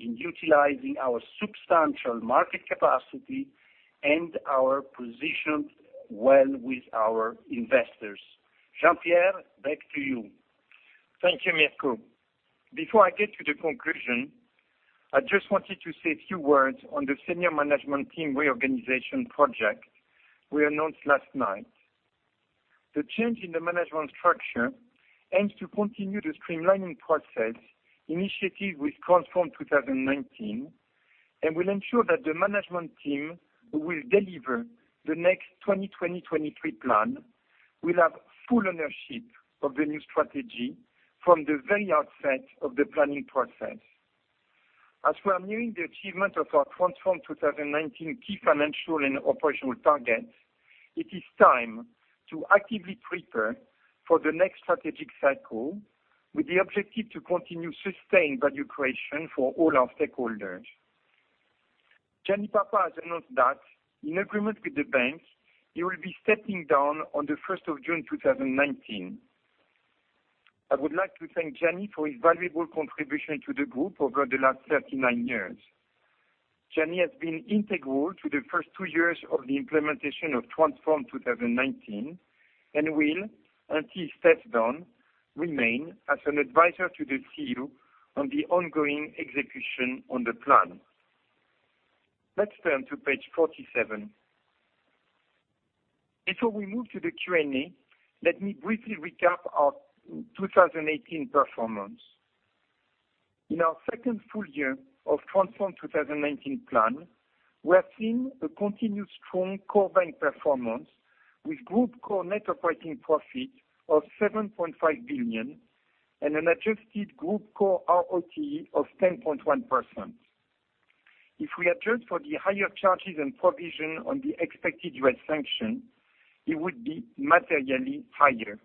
Speaker 4: in utilizing our substantial market capacity and are positioned well with our investors. Jean Pierre, back to you.
Speaker 3: Thank you, Mirko. Before I get to the conclusion, I just wanted to say a few words on the senior management team reorganization project we announced last night. The change in the management structure aims to continue the streamlining process initiative with Transform 2019. It will ensure that the management team who will deliver the next 2020-2023 plan will have full ownership of the new strategy from the very outset of the planning process. As we are nearing the achievement of our Transform 2019 key financial and operational targets, it is time to actively prepare for the next strategic cycle with the objective to continue sustained value creation for all our stakeholders. Gianni Papa has announced that, in agreement with the bank, he will be stepping down on the 1st of June 2019. I would like to thank Gianni for his valuable contribution to the group over the last 39 years. Gianni has been integral to the first two years of the implementation of Transform 2019 and will, until he steps down, remain as an advisor to the CEO on the ongoing execution on the plan. Let's turn to page 47. Before we move to the Q&A, let me briefly recap our 2018 performance. In our second full year of Transform 2019 plan, we have seen a continued strong core bank performance with Group Core net operating profit of 7.5 billion and an adjusted Group Core ROTE of 10.1%. If we adjust for the higher charges and provision on the expected U.S. sanction, it would be materially higher.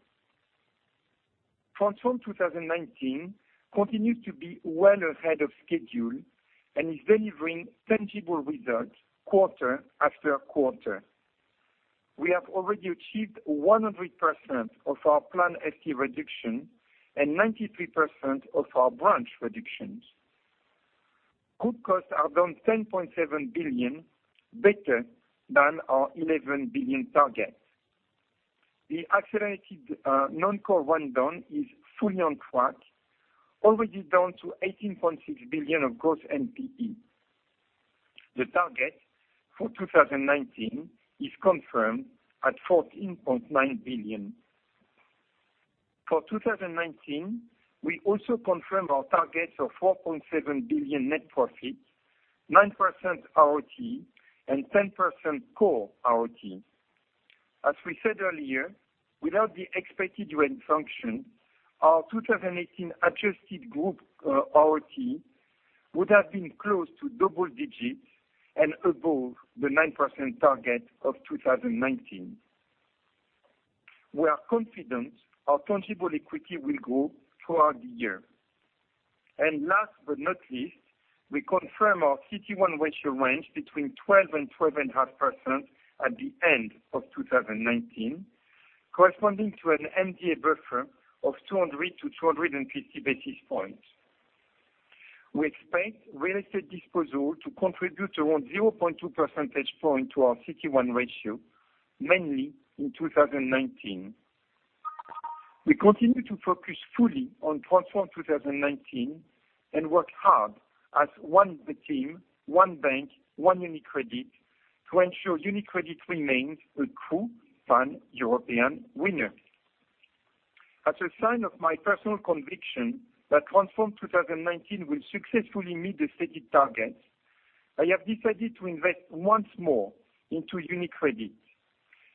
Speaker 3: Transform 2019 continues to be well ahead of schedule and is delivering tangible results quarter after quarter. We have already achieved 100% of our planned FT reduction and 93% of our branch reductions. Group costs are down 10.7 billion, better than our 11 billion target. The accelerated non-core rundown is fully on track, already down to 18.6 billion of gross NPE. The target for 2019 is confirmed at 14.9 billion. For 2019, we also confirm our targets of 4.7 billion net profit, 9% ROE, and 10% core ROE. As we said earlier, without the expected function, our 2018 adjusted group ROE would have been close to double digits and above the 9% target of 2019. We are confident our tangible equity will grow throughout the year. Last but not least, we confirm our CET1 ratio range between 12% and 12.5% at the end of 2019, corresponding to an MDA buffer of 200 to 250 basis points. We expect real estate disposal to contribute around 0.2 percentage point to our CET1 ratio, mainly in 2019. We continue to focus fully on Transform 2019 and work hard as one team, one bank, one UniCredit, to ensure UniCredit remains a true pan-European winner. As a sign of my personal conviction that Transform 2019 will successfully meet the stated targets, I have decided to invest once more into UniCredit.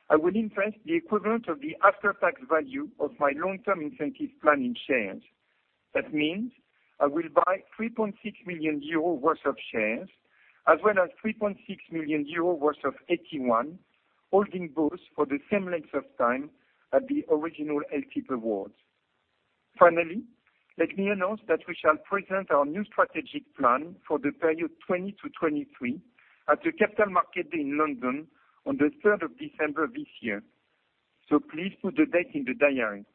Speaker 3: I will invest the equivalent of the after-tax value of my long-term incentive plan in shares. That means I will buy 3.6 million euro worth of shares, as well as 3.6 million euro worth of AT1, holding both for the same length of time as the original LTP awards. Finally, let me announce that we shall present our new strategic plan for the period 2020 to 2023 at the Capital Markets Day in London on the 3rd of December this year. Please put the date in the diary.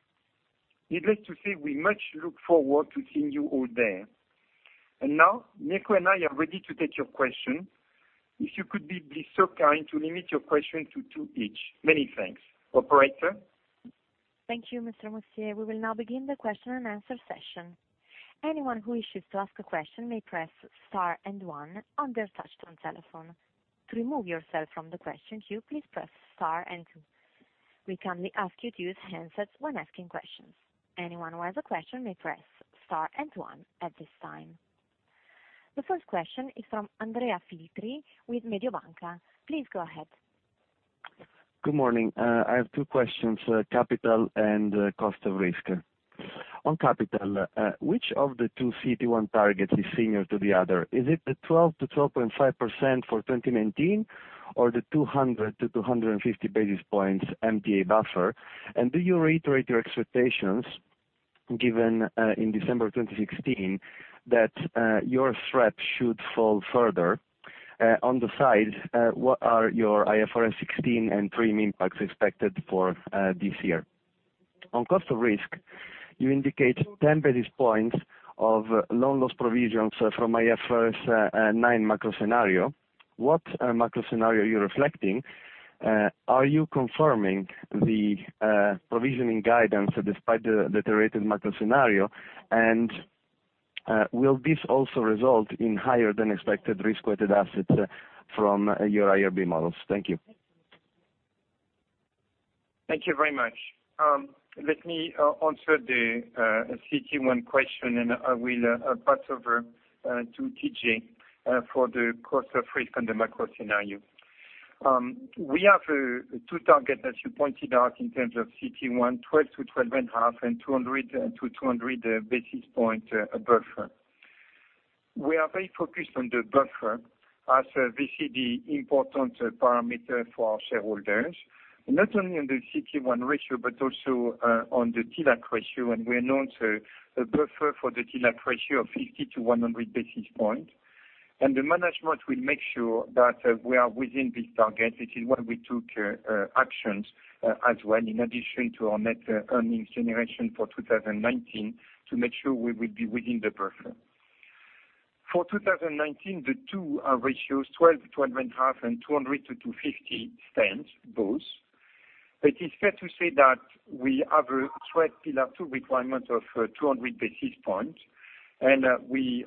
Speaker 3: Needless to say, we much look forward to seeing you all there. Now, Mirko and I are ready to take your questions. If you could be so kind to limit your questions to two each. Many thanks. Operator?
Speaker 1: Thank you, Mr. Mustier. We will now begin the question and answer session. Anyone who wishes to ask a question may press Star and One on their touch-tone telephone. To remove yourself from the question queue, please press Star and Two. We kindly ask you to use handsets when asking questions. Anyone who has a question may press Star and One at this time. The first question is from Andrea Filtri with Mediobanca. Please go ahead.
Speaker 5: Good morning. I have two questions, capital and cost of risk. On capital, which of the two CT1 targets is senior to the other? Is it the 12% to 12.5% for 2019, or the 200 to 250 basis points MDA buffer? Do you reiterate your expectations given in December 2016 that your SREP should fall further? On the side, what are your IFRS 16 and TRIM impacts expected for this year? On cost of risk, you indicate 10 basis points of loan loss provisions from IFRS 9 macro scenario. What macro scenario are you reflecting? Are you confirming the provisioning guidance despite the deteriorated macro scenario, and will this also result in higher than expected risk-weighted assets from your IRB models? Thank you.
Speaker 3: Thank you very much. Let me answer the CT1 question, and I will pass over to TJ for the cost of risk and the macro scenario. We have two targets, as you pointed out, in terms of CT1, 12% to 12.5% and 200 to 250 basis points buffer. We are very focused on the buffer, as this is the important parameter for our shareholders, not only on the CT1 ratio, but also on the TLAC ratio, and we announced a buffer for the TLAC ratio of 50 to 100 basis points. The management will make sure that we are within this target. This is why we took actions as well, in addition to our net earnings generation for 2019, to make sure we will be within the buffer. For 2019, the two ratios, 12% to 12.5% and 200 to 250 basis points, stand both. It is fair to say that we have a SREP Pillar 2 requirement of 200 basis points, and we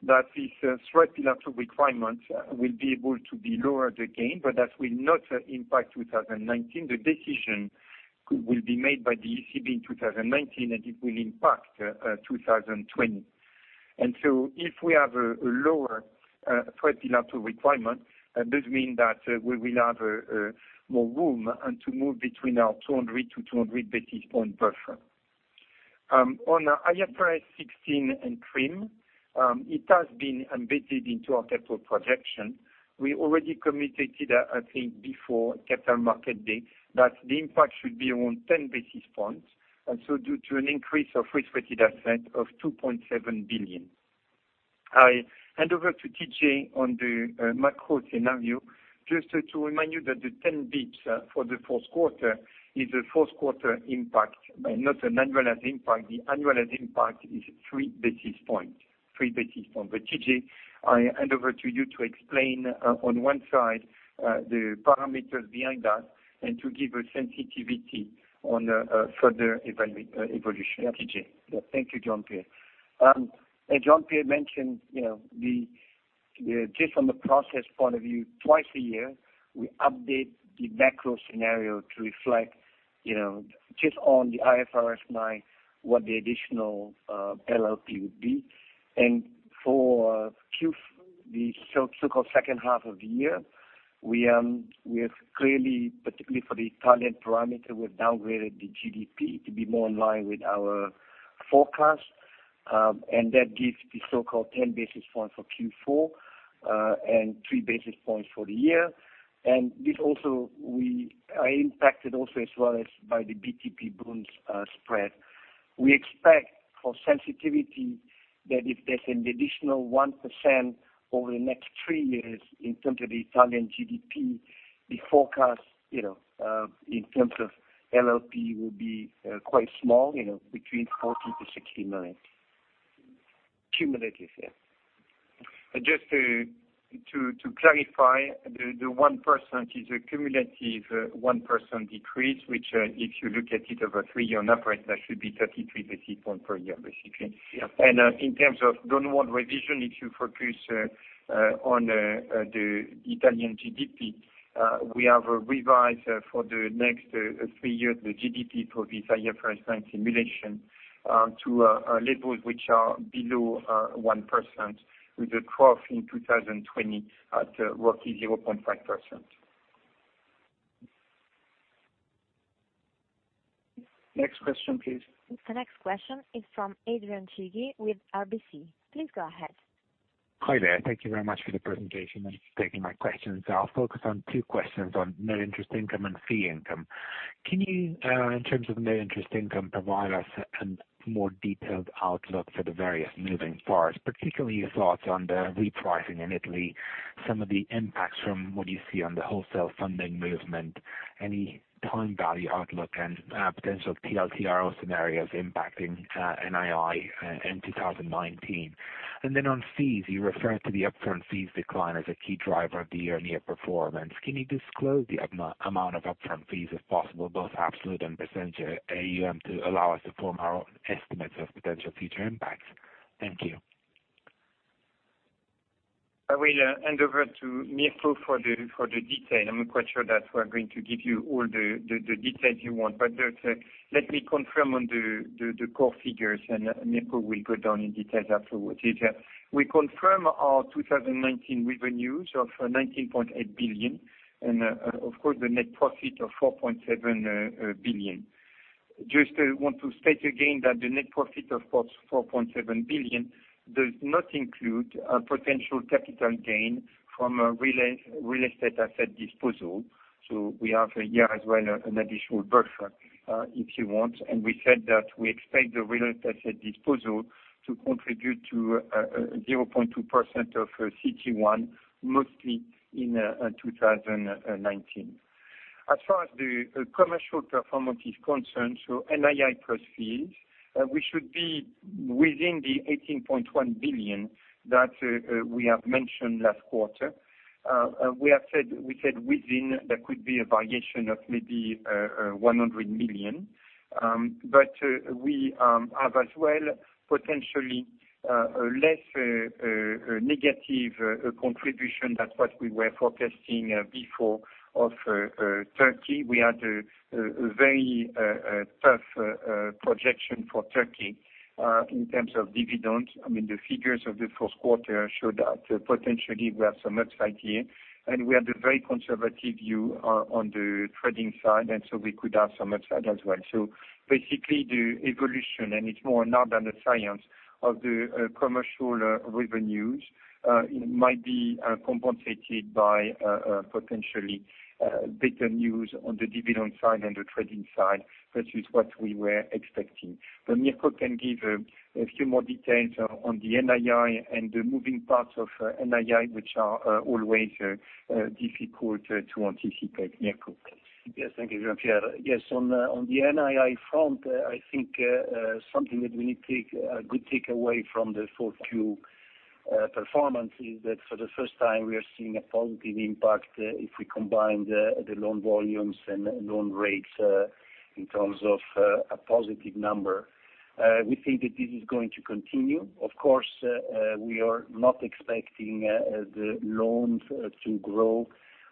Speaker 3: hope that this SREP Pillar 2 requirement will be able to be lowered again, but that will not impact 2019. The decision will be made by the ECB in 2019, and it will impact 2020. If we have a lower SREP Pillar 2 requirement, this means that we will have more room to move between our 200-to-250 basis points buffer. On IFRS 16 and TRIM, it has been embedded into our capital projection. We already communicated, I think before Capital Market Day, that the impact should be around 10 basis points, and so due to an increase of risk-weighted asset of 2.7 billion. I hand over to TJ on the macro scenario. Just to remind you that the 10 basis points for the fourth quarter is a fourth quarter impact, not an annualized impact. The annualized impact is 3 basis points. TJ, I hand over to you to explain on one side the parameters behind that and to give a sensitivity on further evolution. TJ?
Speaker 6: Yeah. Thank you, Jean Pierre. As Jean Pierre mentioned, just from the process point of view, twice a year, we update the macro scenario to reflect just on the IFRS 9, what the additional LLP would be. For the so-called second half of the year, we have clearly, particularly for the Italian parameter, we've downgraded the GDP to be more in line with our forecast, and that gives the so-called 10 basis points for Q4, and 3 basis points for the year. This also, we are impacted also as well as by the BTP bund spread. We expect for sensitivity that if there's an additional 1% over the next three years in terms of the Italian GDP, the forecast, in terms of LLP, will be quite small, between 40 million-60 million cumulative.
Speaker 3: Just to clarify, the 1% is a cumulative 1% decrease, which, if you look at it over three year on operate, that should be 33 basis point per year, basically.
Speaker 6: Yeah.
Speaker 3: In terms of downward revision, if you focus on the Italian GDP, we have revised for the next three years the GDP for this IFRS 9 simulation to levels which are below 1% with a trough in 2020 at roughly 0.5%.
Speaker 2: Next question, please.
Speaker 1: The next question is from Adrian Cighi with RBC. Please go ahead.
Speaker 7: Hi there. Thank you very much for the presentation and taking my questions. I'll focus on two questions on net interest income and fee income. Can you, in terms of net interest income, provide us a more detailed outlook for the various moving parts, particularly your thoughts on the repricing in Italy, some of the impacts from what you see on the wholesale funding movement, any time value outlook, and potential TLTRO scenarios impacting NII in 2019? Then on fees, you referred to the upfront fees decline as a key driver of the year-on-year performance. Can you disclose the amount of upfront fees, if possible, both absolute and percentage, to allow us to form our own estimates of potential future impacts? Thank you.
Speaker 3: I will hand over to Mirko for the detail. I'm quite sure that we're going to give you all the details you want. Let me confirm on the core figures, and Mirko will go down in details afterwards. We confirm our 2019 revenues of 19.8 billion and, of course, the net profit of 4.7 billion. I just want to state again that the net profit, of course, 4.7 billion, does not include a potential capital gain from a real estate asset disposal. We have here as well an additional buffer, if you want. We said that we expect the real estate asset disposal to contribute to 0.2% of CT1, mostly in 2019. As far as the commercial performance is concerned, NII plus fees, we should be within the 18.1 billion that we have mentioned last quarter. We said within there could be a variation of maybe 100 million. We have as well potentially a less negative contribution than what we were forecasting before of Turkey. We had a very tough projection for Turkey, in terms of dividends. I mean, the figures of the first quarter show that potentially we have some upside here, and so we could have some upside as well. Basically, the evolution, and it's more an art than a science, of the commercial revenues, might be compensated by potentially better news on the dividend side and the trading side versus what we were expecting. Mirko can give a few more details on the NII and the moving parts of NII, which are always difficult to anticipate. Mirko, please.
Speaker 4: Yes. Thank you, Jean Pierre. Yes, on the NII front, I think something that we need a good takeaway from the 4Q performance is that for the first time, we are seeing a positive impact if we combine the loan volumes and loan rates in terms of a positive number. We think that this is going to continue. Of course, we are not expecting the loans to grow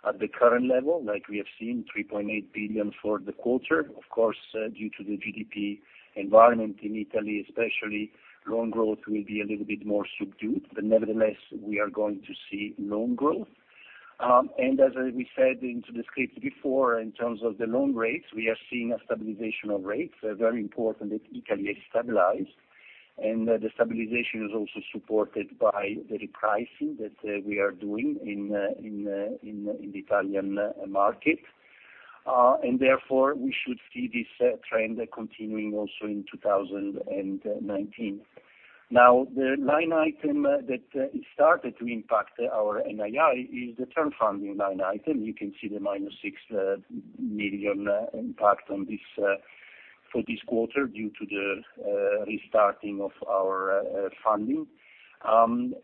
Speaker 4: at the current level like we have seen, 3.8 billion for the quarter. Of course, due to the GDP environment in Italy especially, loan growth will be a little bit more subdued, but nevertheless, we are going to see loan growth. As we said into the script before, in terms of the loan rates, we are seeing a stabilization of rates. Very important that Italy is stabilized. The stabilization is also supported by the repricing that we are doing in the Italian market. Therefore, we should see this trend continuing also in 2019. The line item that started to impact our NII is the term funding line item. You can see the minus 6 million impact on this. For this quarter, due to the restarting of our funding.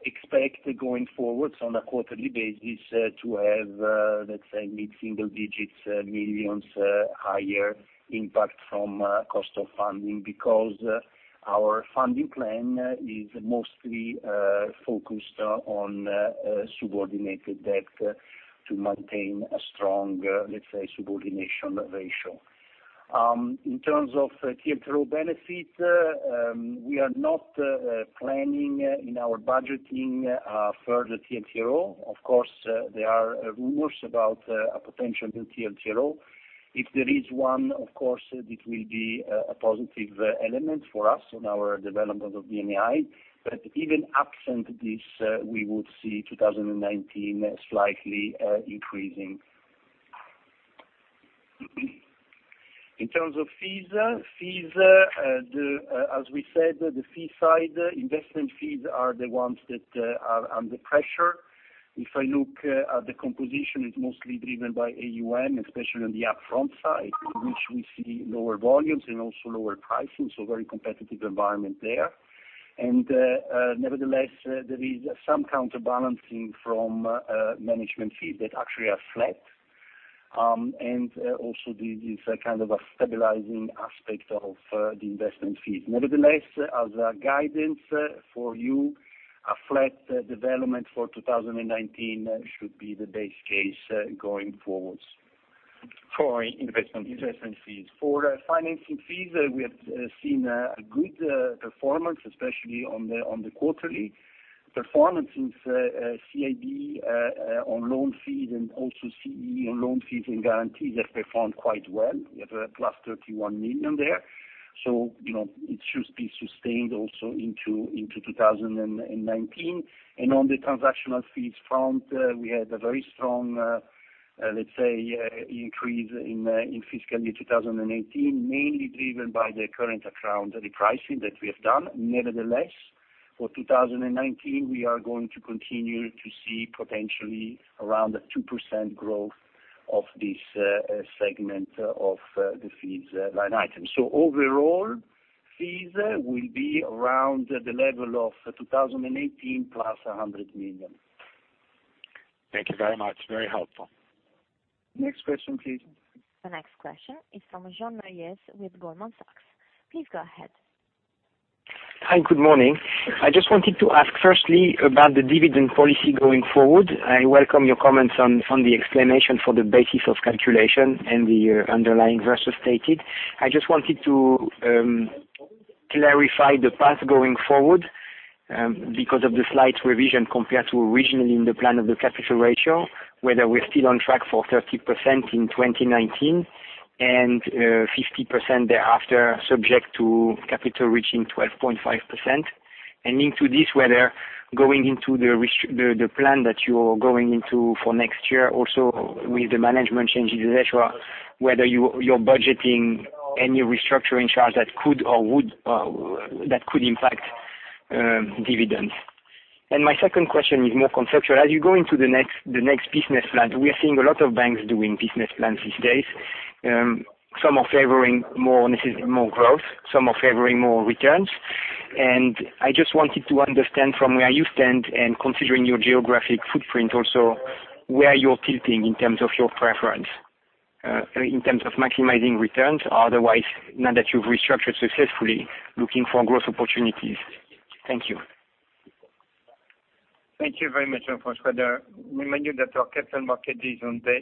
Speaker 4: Expect going forwards on a quarterly basis to have, let's say, mid-single digits, millions higher impact from cost of funding, because our funding plan is mostly focused on subordinated debt to maintain a strong, let's say, subordination ratio. In terms of TLTRO benefit, we are not planning in our budgeting further TLTRO. Of course, there are rumors about a potential new TLTRO. If there is one, of course, it will be a positive element for us on our development of the NII. Even absent this, we would see 2019 slightly increasing. In terms of fees, as we said, the fee side, investment fees are the ones that are under pressure. If I look at the composition, it's mostly driven by AUM, especially on the upfront side, which we see lower volumes and also lower pricing, so very competitive environment there. Nevertheless, there is some counterbalancing from management fees that actually are flat. Also, this is a kind of a stabilizing aspect of the investment fees. Nevertheless, as a guidance for you, a flat development for 2019 should be the base case going forwards.
Speaker 7: For investment fees.
Speaker 4: Investment fees. For financing fees, we have seen a good performance, especially on the quarterly performance since CIB on loan fees and also CEE on loan fees and guarantees have performed quite well. We have a plus 31 million there, so it should be sustained also into 2019. On the transactional fees front, we had a very strong, let's say, increase in fiscal year 2018, mainly driven by the current account repricing that we have done. Nevertheless, for 2019, we are going to continue to see potentially around 2% growth of this segment of the fees line item. Overall, fees will be around the level of 2018 plus 100 million.
Speaker 7: Thank you very much. Very helpful.
Speaker 2: Next question, please.
Speaker 1: The next question is from Jean Neuez with Goldman Sachs. Please go ahead.
Speaker 8: Hi, good morning. I just wanted to ask firstly about the dividend policy going forward. I welcome your comments on the explanation for the basis of calculation and the underlying versus stated. I just wanted to clarify the path going forward, because of the slight revision compared to originally in the plan of the capital ratio, whether we're still on track for 30% in 2019 and 50% thereafter, subject to capital reaching 12.5%. Into this, whether going into the plan that you're going into for next year, also with the management changes, et cetera, whether you're budgeting any restructuring charge that could impact dividends. My second question is more conceptual. As you go into the next business plan, we are seeing a lot of banks doing business plans these days. Some are favoring more growth, some are favoring more returns. I just wanted to understand from where you stand, and considering your geographic footprint also, where you're tilting in terms of your preference, in terms of maximizing returns. Otherwise, now that you've restructured successfully, looking for growth opportunities. Thank you.
Speaker 3: Thank you very much, Jean-François. Remind you that our capital market is on the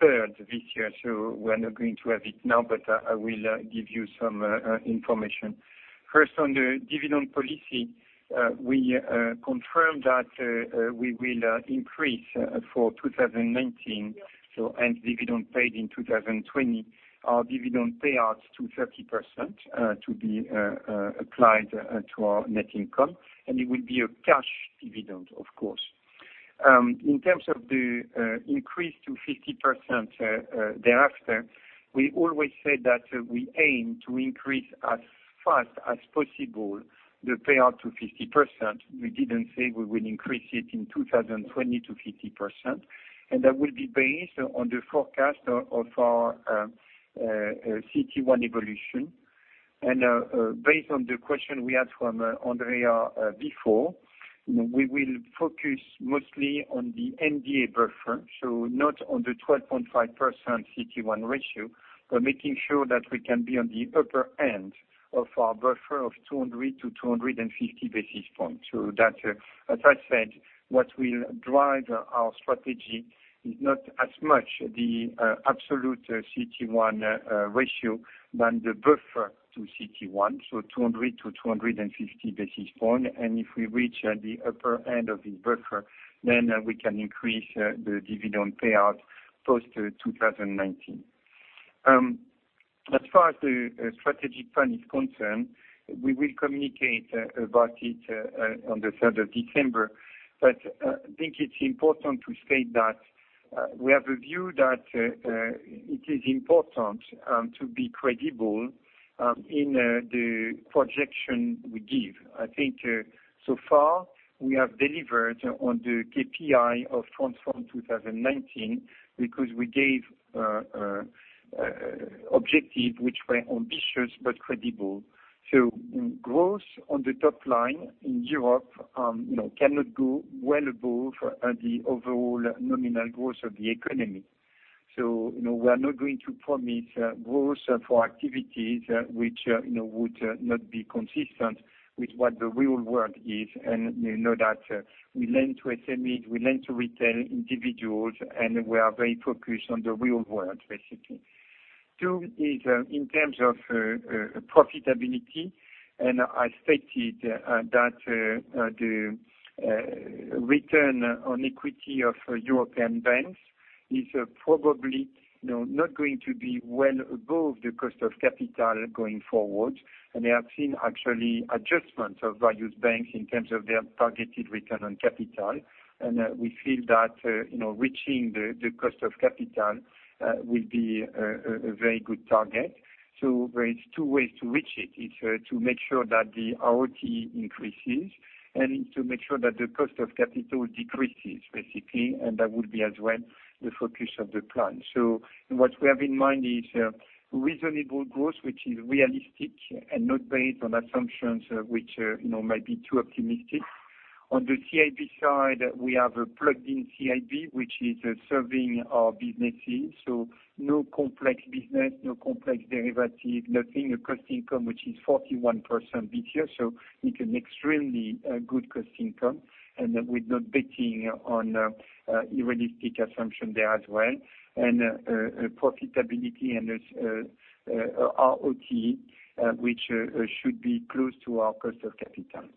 Speaker 3: third this year, so we're not going to have it now, but I will give you some information. First, on the dividend policy, we confirm that we will increase for 2019 and dividend paid in 2020, our dividend payouts to 30% to be applied to our net income. It will be a cash dividend, of course. In terms of the increase to 50% thereafter, we always said that we aim to increase as fast as possible the payout to 50%. We didn't say we will increase it in 2020 to 50%, and that will be based on the forecast of our CT1 evolution. Based on the question we had from Andrea before, we will focus mostly on the MDA buffer, so not on the 12.5% CT1 ratio, but making sure that we can be on the upper end of our buffer of 200 to 250 basis points. That, as I said, what will drive our strategy is not as much the absolute CT1 ratio than the buffer to CT1, so 200 to 250 basis point. If we reach the upper end of the buffer, then we can increase the dividend payout post-2019. As far as the strategic plan is concerned, we will communicate about it on the 3rd of December. I think it's important to state that we have a view that it is important to be credible in the projection we give. I think so far we have delivered on the KPI of Transform 2019, because we gave objectives which were ambitious but credible. Growth on the top line in Europe cannot go well above the overall nominal growth of the economy. We are not going to promise growth for activities which would not be consistent with what the real world is. You know that we lend to SMEs, we lend to retail individuals, and we are very focused on the real world, basically. Two is in terms of profitability, and I stated that the return on equity of European banks is probably not going to be well above the cost of capital going forward. I have seen actually adjustments of values banks in terms of their targeted return on capital. We feel that reaching the cost of capital will be a very good target. There is two ways to reach it. It's to make sure that the ROTE increases and to make sure that the cost of capital decreases, basically, and that would be as well the focus of the plan. What we have in mind is reasonable growth, which is realistic and not based on assumptions which might be too optimistic. On the CIB side, we have a plugged-in CIB, which is serving our businesses. No complex business, no complex derivative, nothing. A cost income, which is 41% this year, so it's an extremely good cost income, and we're not betting on a realistic assumption there as well. Profitability and its ROTE, which should be close to our cost of capital.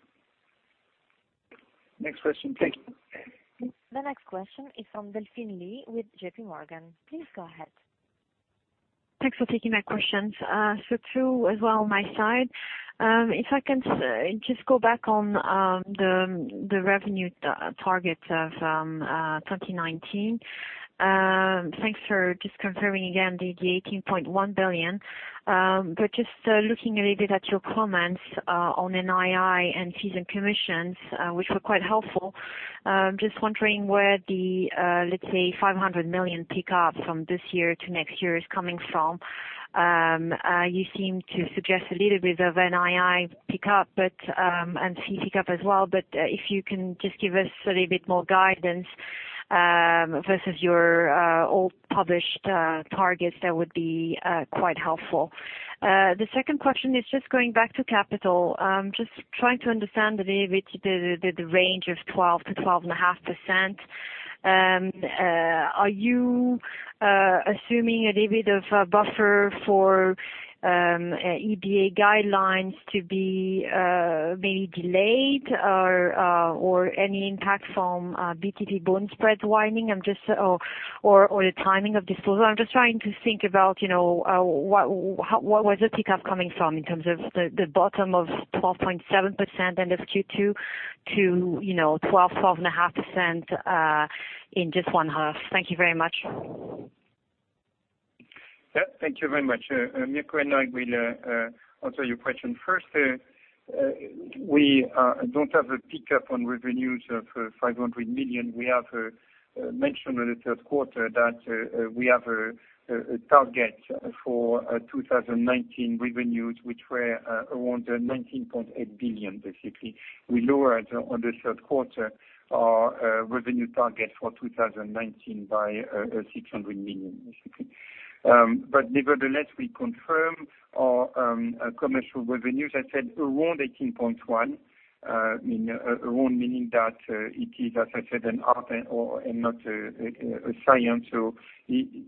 Speaker 2: Next question? Thank you.
Speaker 1: The next question is from Delphine Lee with J.P. Morgan. Please go ahead.
Speaker 9: Thanks for taking my questions. Two as well on my side. If I can just go back on the revenue target of 2019. Thanks for just confirming again the 18.1 billion. Just looking a little bit at your comments on NII and fees and commissions, which were quite helpful. Just wondering where the, let's say, 500 million pick-up from this year to next year is coming from. You seem to suggest a little bit of NII pick-up, and fee pick-up as well, but if you can just give us a little bit more guidance versus your old published targets, that would be quite helpful. The second question is just going back to capital. Just trying to understand a little bit the range of 12%-12.5%. Are you assuming a little bit of a buffer for EBA guidelines to be maybe delayed or any impact from BTP bund spread widening? The timing of disclosure? I'm just trying to think about where the pick-up coming from in terms of the bottom of 12.7% end of Q2 to 12%-12.5% in just one half. Thank you very much.
Speaker 3: Thank you very much. Mirko and I will answer your question. First, we don't have a pick-up on revenues of 500 million. We have mentioned in the third quarter that we have a target for 2019 revenues, which were around 19.8 billion, basically. We lowered on the third quarter our revenue target for 2019 by 600 million, basically. Nevertheless, we confirm our commercial revenues, as I said, around 18.1 billion. Around meaning that it is, as I said, an art and not a science.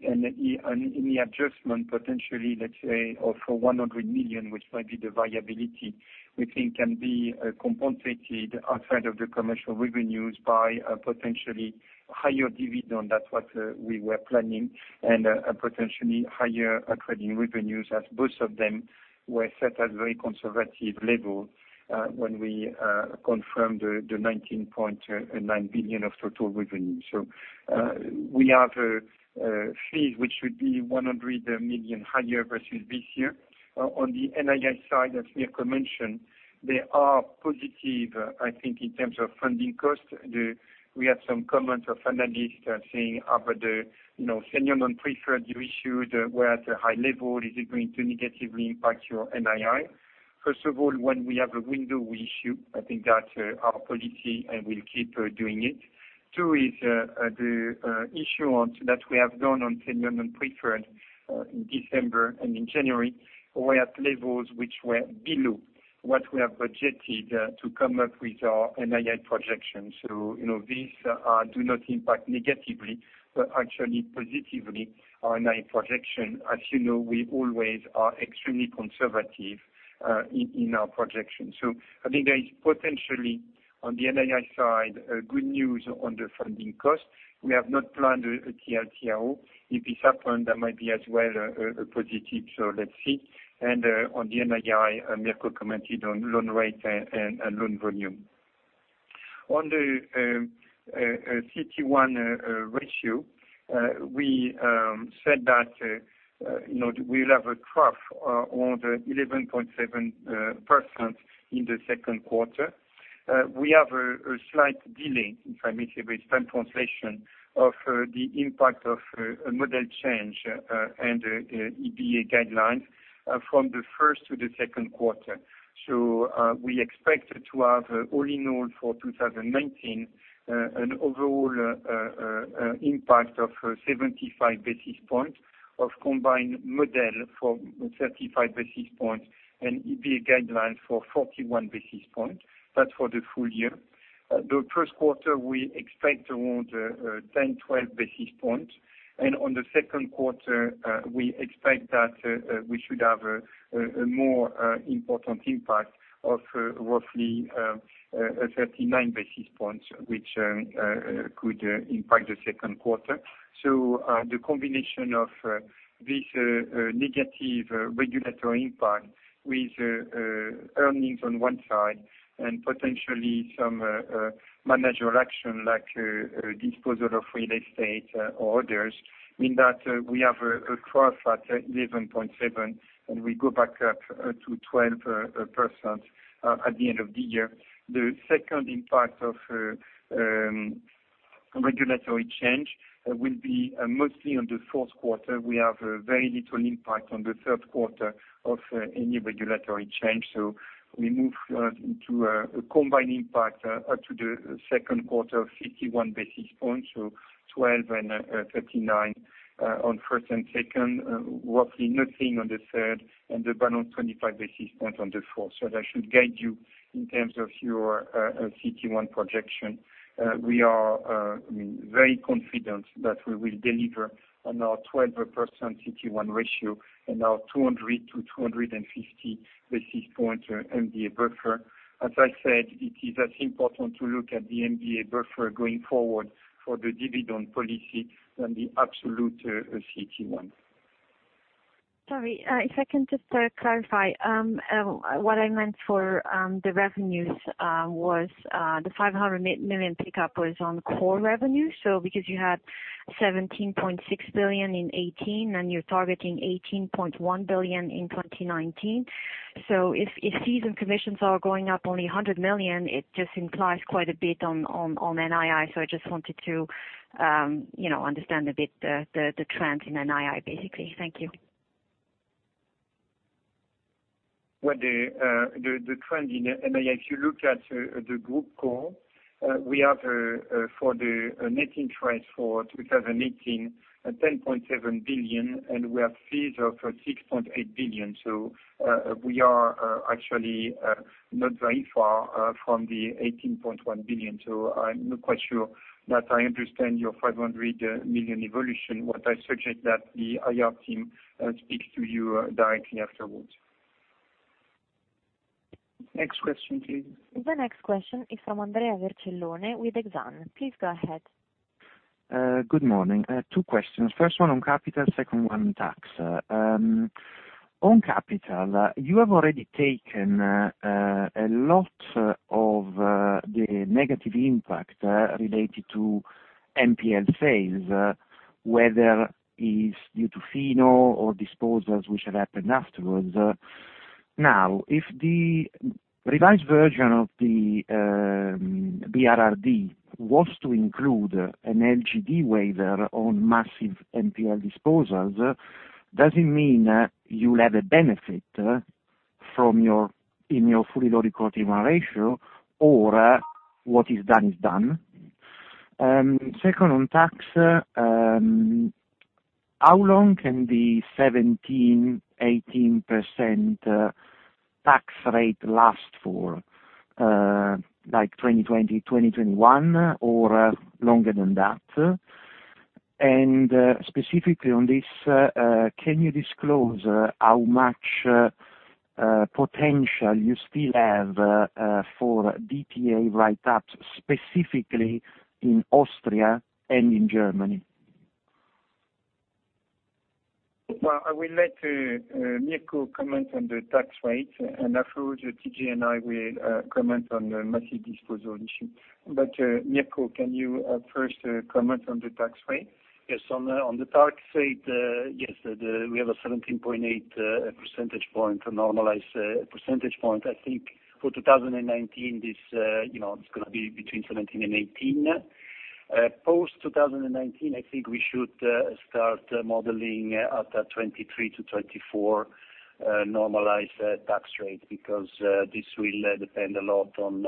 Speaker 3: Any adjustment potentially, let's say, of 100 million, which might be the viability, we think can be compensated outside of the commercial revenues by a potentially higher dividend than what we were planning, and a potentially higher trading revenues, as both of them were set at very conservative level when we confirmed the 19.9 billion of total revenue. We have fees, which would be 100 million higher versus this year. On the NII side, as Mirko mentioned, they are positive, I think, in terms of funding cost. We had some comments of analysts saying after the senior non-preferred you issued were at a high level, is it going to negatively impact your NII? First of all, when we have a window, we issue. I think that is our policy, and we will keep doing it. Second, the issuance that we have done on senior non-preferred in December and in January, were at levels which were below what we have budgeted to come up with our NII projection. These do not impact negatively, but actually positively our NII projection. As you know, we always are extremely conservative in our projection. I think there is potentially, on the NII side, good news on the funding cost. We have not planned a TLTRO. If it happened, that might be as well a positive, let us see. On the NII, Mirko commented on loan rate and loan volume. On the CT1 ratio, we said that we will have a trough around 11.7% in the second quarter. We have a slight delay, if I may say, with time translation of the impact of a model change and EBA guidelines from the first to the second quarter. We expect to have all in all for 2019 an overall impact of 75 basis points of combined model for 35 basis points and EBA guideline for 41 basis points. That is for the full year. The first quarter, we expect around 10, 12 basis points. On the second quarter, we expect that we should have a more important impact of roughly 39 basis points, which could impact the second quarter. The combination of this negative regulatory impact with earnings on one side and potentially some managerial action, like disposal of real estate or others, mean that we have a trough at 11.7%, and we go back up to 12% at the end of the year. The second impact of regulatory change will be mostly on the fourth quarter. We have very little impact on the third quarter of any regulatory change. We move into a combined impact to the second quarter of 51 basis points. 12 and 39 on first and second, roughly nothing on the third, and about on 25 basis points on the fourth. That should guide you in terms of your CT1 projection. We are very confident that we will deliver on our 12% CT1 ratio and our 200 to 250 basis point MDA buffer. As I said, it is as important to look at the MDA buffer going forward for the dividend policy than the absolute CT1.
Speaker 9: Sorry, if I can just clarify. What I meant for the revenues was the 500 million pickup was on Group Core revenue. Because you had 17.6 billion in 2018, and you're targeting 18.1 billion in 2019. If fees and commissions are going up only 100 million, it just implies quite a bit on NII. I just wanted to understand a bit the trends in NII, basically. Thank you.
Speaker 3: Well, the trend in NII, if you look at the Group Core, we have for the net interest for 2018, 10.7 billion, and we have fees of 6.8 billion. We are actually not very far from the 18.1 billion. I'm not quite sure that I understand your 500 million evolution, but I suggest that the IR team speaks to you directly afterwards.
Speaker 2: Next question, please.
Speaker 1: The next question is from Andrea Vercellone with Exane. Please go ahead.
Speaker 10: Good morning. Two questions. First one on capital, second one tax. On capital, you have already taken a lot of the negative impact related to NPL sales, whether it's due to FINO or disposals which have happened afterwards. If the revised version of the BRRD was to include an LGD waiver on massive NPL disposals, does it mean you will have a benefit in your fully loaded CET1 ratio, or what is done is done? Second, on tax, how long can the 17%-18% tax rate last for, like 2020, 2021, or longer than that? Specifically on this, can you disclose how much potential you still have for DTA write-ups, specifically in Austria and in Germany?
Speaker 3: I will let Mirko comment on the tax rate, and afterwards, TJ and I will comment on the massive disposal issue. Mirko, can you first comment on the tax rate?
Speaker 4: On the tax rate, we have a 17.8 percentage point, a normalized percentage point. I think for 2019, it's going to be between 17 and 18. Post-2019, I think we should start modeling at a 23 to 24 normalized tax rate because this will depend a lot on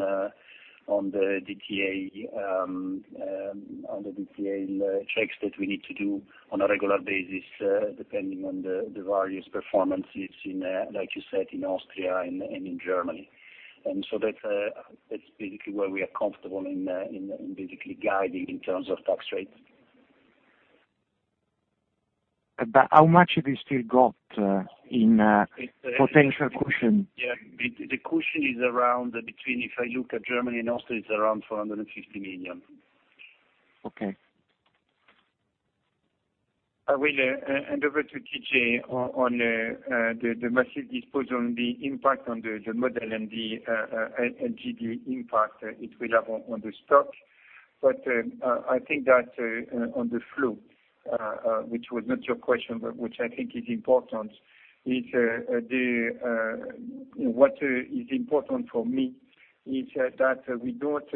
Speaker 4: the DTA checks that we need to do on a regular basis, depending on the various performances, like you said, in Austria and in Germany. That's basically where we are comfortable in basically guiding in terms of tax rate.
Speaker 10: How much have you still got in potential cushion?
Speaker 4: The cushion is around between, if I look at Germany and Austria, it's around 450 million.
Speaker 10: Okay.
Speaker 3: I will hand over to TJ on the massive disposal and the impact on the model and the LGD impact it will have on the stock. I think that on the flow, which was not your question, but which I think is important, what is important for me is that we don't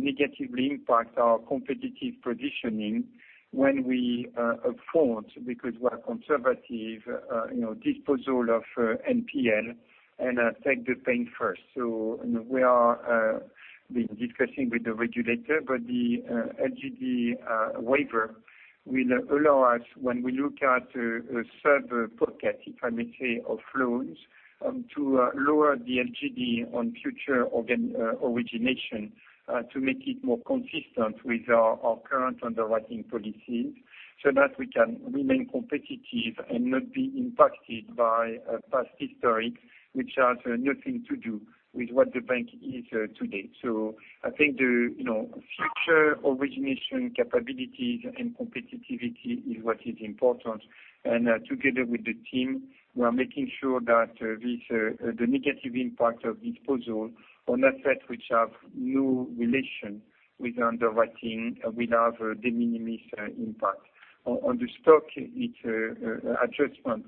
Speaker 3: negatively impact our competitive positioning when we afford, because we are conservative, disposal of NPE, and take the pain first. We are discussing with the regulator, but the LGD waiver will allow us, when we look at a sub-pocket, if I may say, of loans, to lower the LGD on future origination to make it more consistent with our current underwriting policies so that we can remain competitive and not be impacted by past history, which has nothing to do with what the bank is today. I think the future origination capabilities and competitivity is what is important. Together with the team, we are making sure that the negative impact of disposal on assets which have no relation with underwriting will have de minimis impact. On the stock, it's adjustment,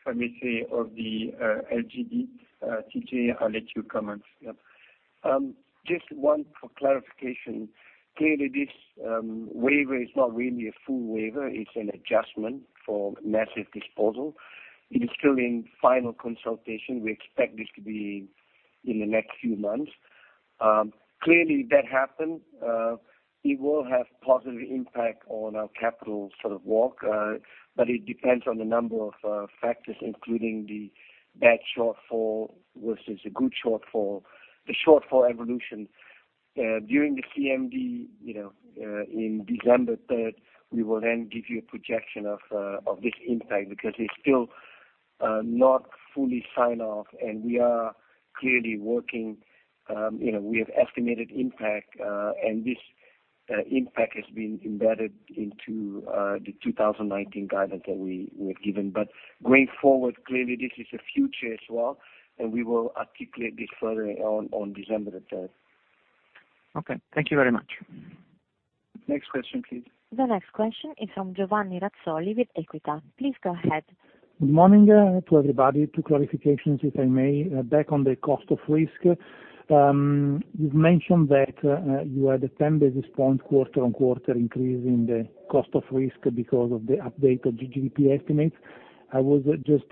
Speaker 3: if I may say, of the LGD. TJ, I'll let you comment.
Speaker 6: Yep. Just one for clarification. Clearly, this waiver is not really a full waiver. It's an adjustment for massive disposal. It is still in final consultation. We expect this to be in the next few months. Clearly, that happened. It will have positive impact on our capital sort of work, but it depends on the number of factors, including the bad shortfall versus a good shortfall, the shortfall evolution. During the CMD in December 3rd, we will then give you a projection of this impact because it's still not fully signed off, and we are clearly working. We have estimated impact, and this impact has been embedded into the 2019 guidance that we have given. Going forward, clearly this is the future as well, and we will articulate this further on December 3rd.
Speaker 5: Okay. Thank you very much.
Speaker 3: Next question, please.
Speaker 1: The next question is from Giovanni Razzoli with Equita. Please go ahead.
Speaker 11: Good morning to everybody. Two clarifications, if I may. Back on the cost of risk, you've mentioned that you had a 10 basis point quarter-on-quarter increase in the cost of risk because of the update of GDP estimates. I was just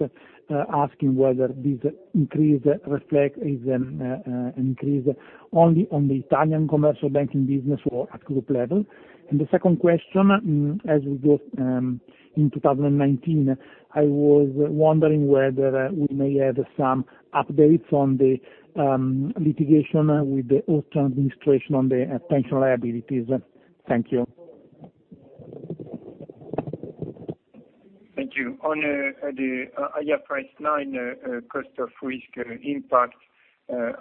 Speaker 11: asking whether this increase reflect is an increase only on the Italian commercial banking business or at group level. The second question, as we go in 2019, I was wondering whether we may have some updates on the litigation with the Austrian administration on the potential liabilities. Thank you.
Speaker 3: Thank you. On the IFRS 9 cost of risk impact,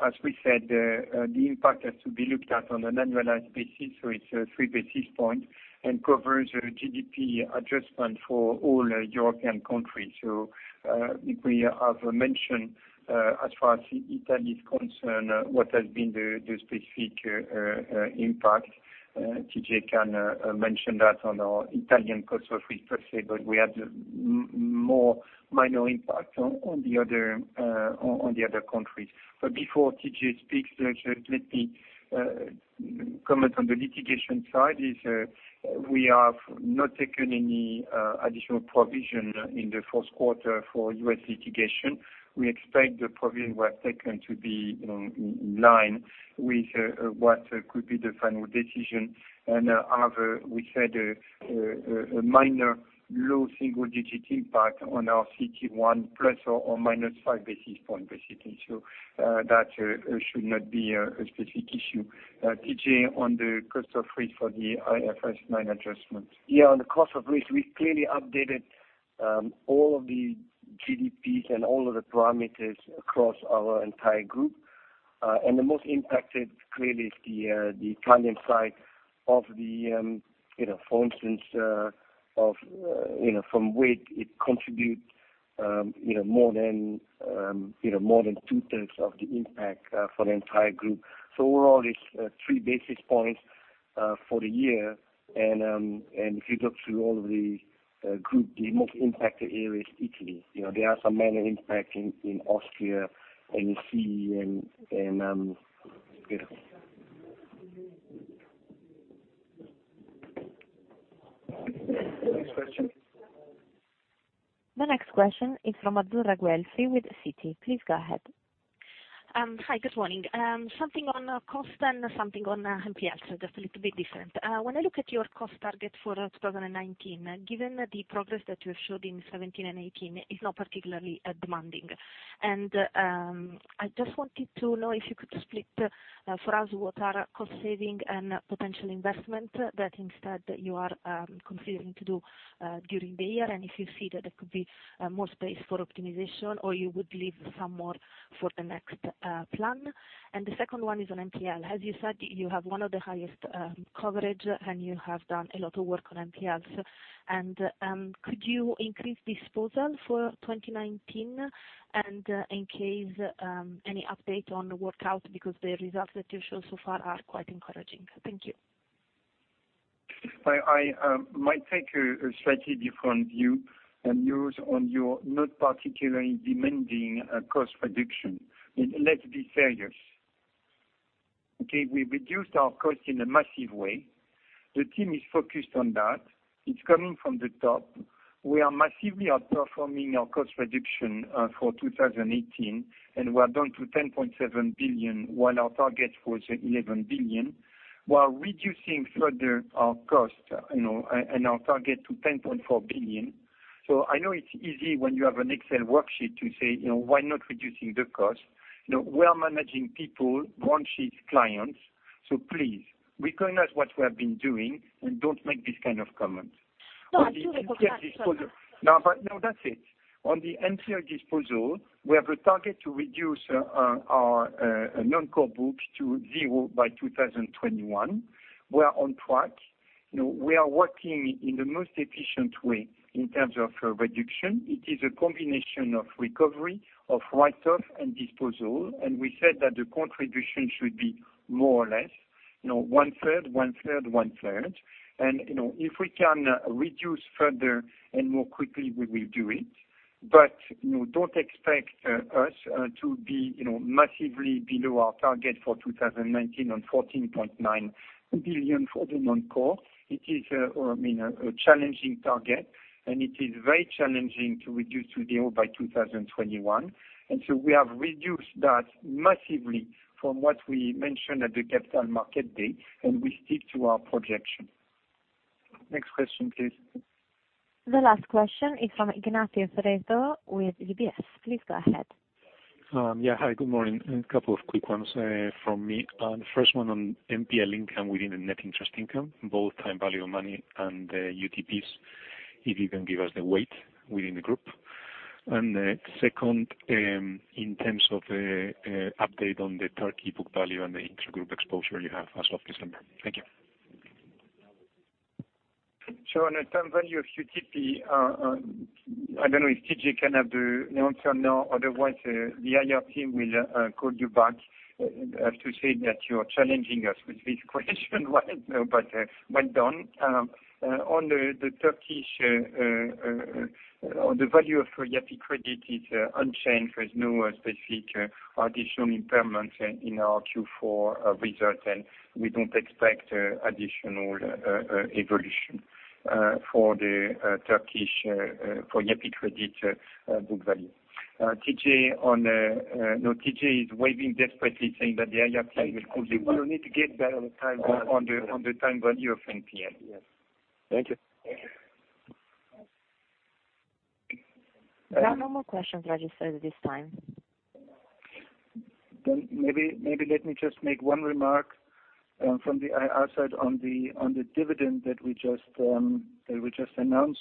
Speaker 3: as we said, the impact has to be looked at on an annualized basis, so it's three basis point and covers GDP adjustment for all European countries. We have mentioned, as far as Italy is concerned, what has been the specific impact. TJ can mention that on our Italian cost of risk per se, before TJ speaks, let me comment on the litigation side, is we have not taken any additional provision in the fourth quarter for U.S. litigation. We expect the provisions were taken to be in line with what could be the final decision. We had a minor low single-digit impact on our CT1, ± 5 basis point basically. That should not be a specific issue. TJ, on the cost of risk for the IFRS 9 adjustments.
Speaker 6: Yeah, on the cost of risk, we clearly updated all of the GDPs and all of the parameters across our entire Group. The most impacted clearly is the Italian side of the, for instance, from which it contributes more than two-thirds of the impact for the entire Group. Overall, it is 3 basis points for the year. If you look through all of the Group, the most impacted area is Italy. There are some minor impact in Austria, CEE, and [inaudible]
Speaker 1: The next question is from Azzurra Guelfi with Citi. Please go ahead.
Speaker 12: Hi, good morning. Something on cost and something on NPL, just a little bit different. When I look at your cost target for 2019, given the progress that you showed in 2017 and 2018, it's not particularly demanding. I just wanted to know if you could split for us what are cost saving and potential investment that instead you are considering to do during the year. If you see that there could be more space for optimization, or you would leave some more for the next plan. The second one is on NPL. As you said, you have one of the highest coverage, and you have done a lot of work on NPL. Could you increase disposal for 2019? In case, any update on the workout because the results that you showed so far are quite encouraging. Thank you.
Speaker 3: I might take a slightly different view than yours on your not particularly demanding cost reduction. Let's be serious. Okay, we reduced our cost in a massive way. The team is focused on that. It's coming from the top. We are massively outperforming our cost reduction for 2018. We are down to 10.7 billion, while our target was 11 billion, while reducing further our cost and our target to 10.4 billion. I know it's easy when you have an Excel worksheet to say, why not reducing the cost? We are managing people, branches, clients. Please recognize what we have been doing and don't make these kind of comments.
Speaker 12: No, I do recognize-
Speaker 3: No, that's it. On the NPL disposal, we have a target to reduce our non-core book to zero by 2021. We are on track. We are working in the most efficient way in terms of reduction. It is a combination of recovery, of write-off, and disposal. We said that the contribution should be more or less one-third, one-third, one-third. If we can reduce further and more quickly, we will do it. Don't expect us to be massively below our target for 2019 on 14.9 billion for the non-core. It is a challenging target. It is very challenging to reduce to zero by 2021. We have reduced that massively from what we mentioned at the Capital Markets Day. We stick to our projection. Next question, please.
Speaker 1: The last question is from Ignacio Freijo with UBS. Please go ahead.
Speaker 13: Yeah. Hi, good morning. A couple of quick ones from me. The first one on NPL income within the net interest income, both time value of money and UTPs, if you can give us the weight within the group. Second, in terms of the update on the target book value and the intragroup exposure you have as of December. Thank you.
Speaker 3: On the time value of UTP, I don't know if TJ can have the answer now. Otherwise, the IR team will call you back to say that you are challenging us with this question. Well done. On the Turkish, on the value of Yapı Kredi is unchanged. There is no specific additional impairment in our Q4 results, and we don't expect additional evolution for the Turkish, for Yapı Kredi book value. No, TJ is waving desperately, saying that the IR team will call you back.
Speaker 2: I think we will need to get back on the time value.
Speaker 3: on the time value of NPL.
Speaker 13: Yes. Thank you.
Speaker 1: There are no more questions registered at this time.
Speaker 2: Maybe let me just make one remark from the IR side on the dividend that we just announced.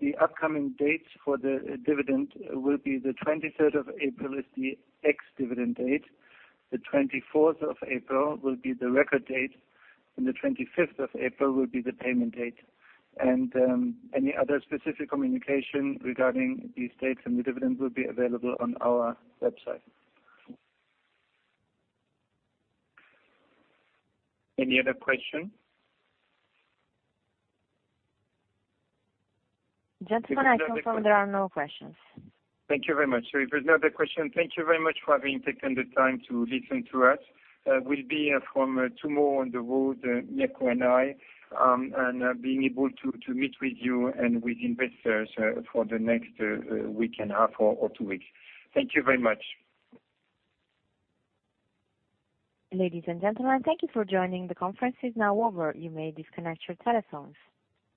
Speaker 2: The upcoming dates for the dividend will be the 23rd of April is the ex-dividend date, the 24th of April will be the record date, and the 25th of April will be the payment date. Any other specific communication regarding these dates and the dividend will be available on our website.
Speaker 3: Any other question?
Speaker 1: Gentlemen, I confirm there are no questions.
Speaker 3: Thank you very much. If there's no other question, thank you very much for having taken the time to listen to us. We'll be, from tomorrow, on the road, Jacco and I, and being able to meet with you and with investors for the next one and a half or two weeks. Thank you very much.
Speaker 1: Ladies and gentlemen, thank you for joining. The conference is now over. You may disconnect your telephones.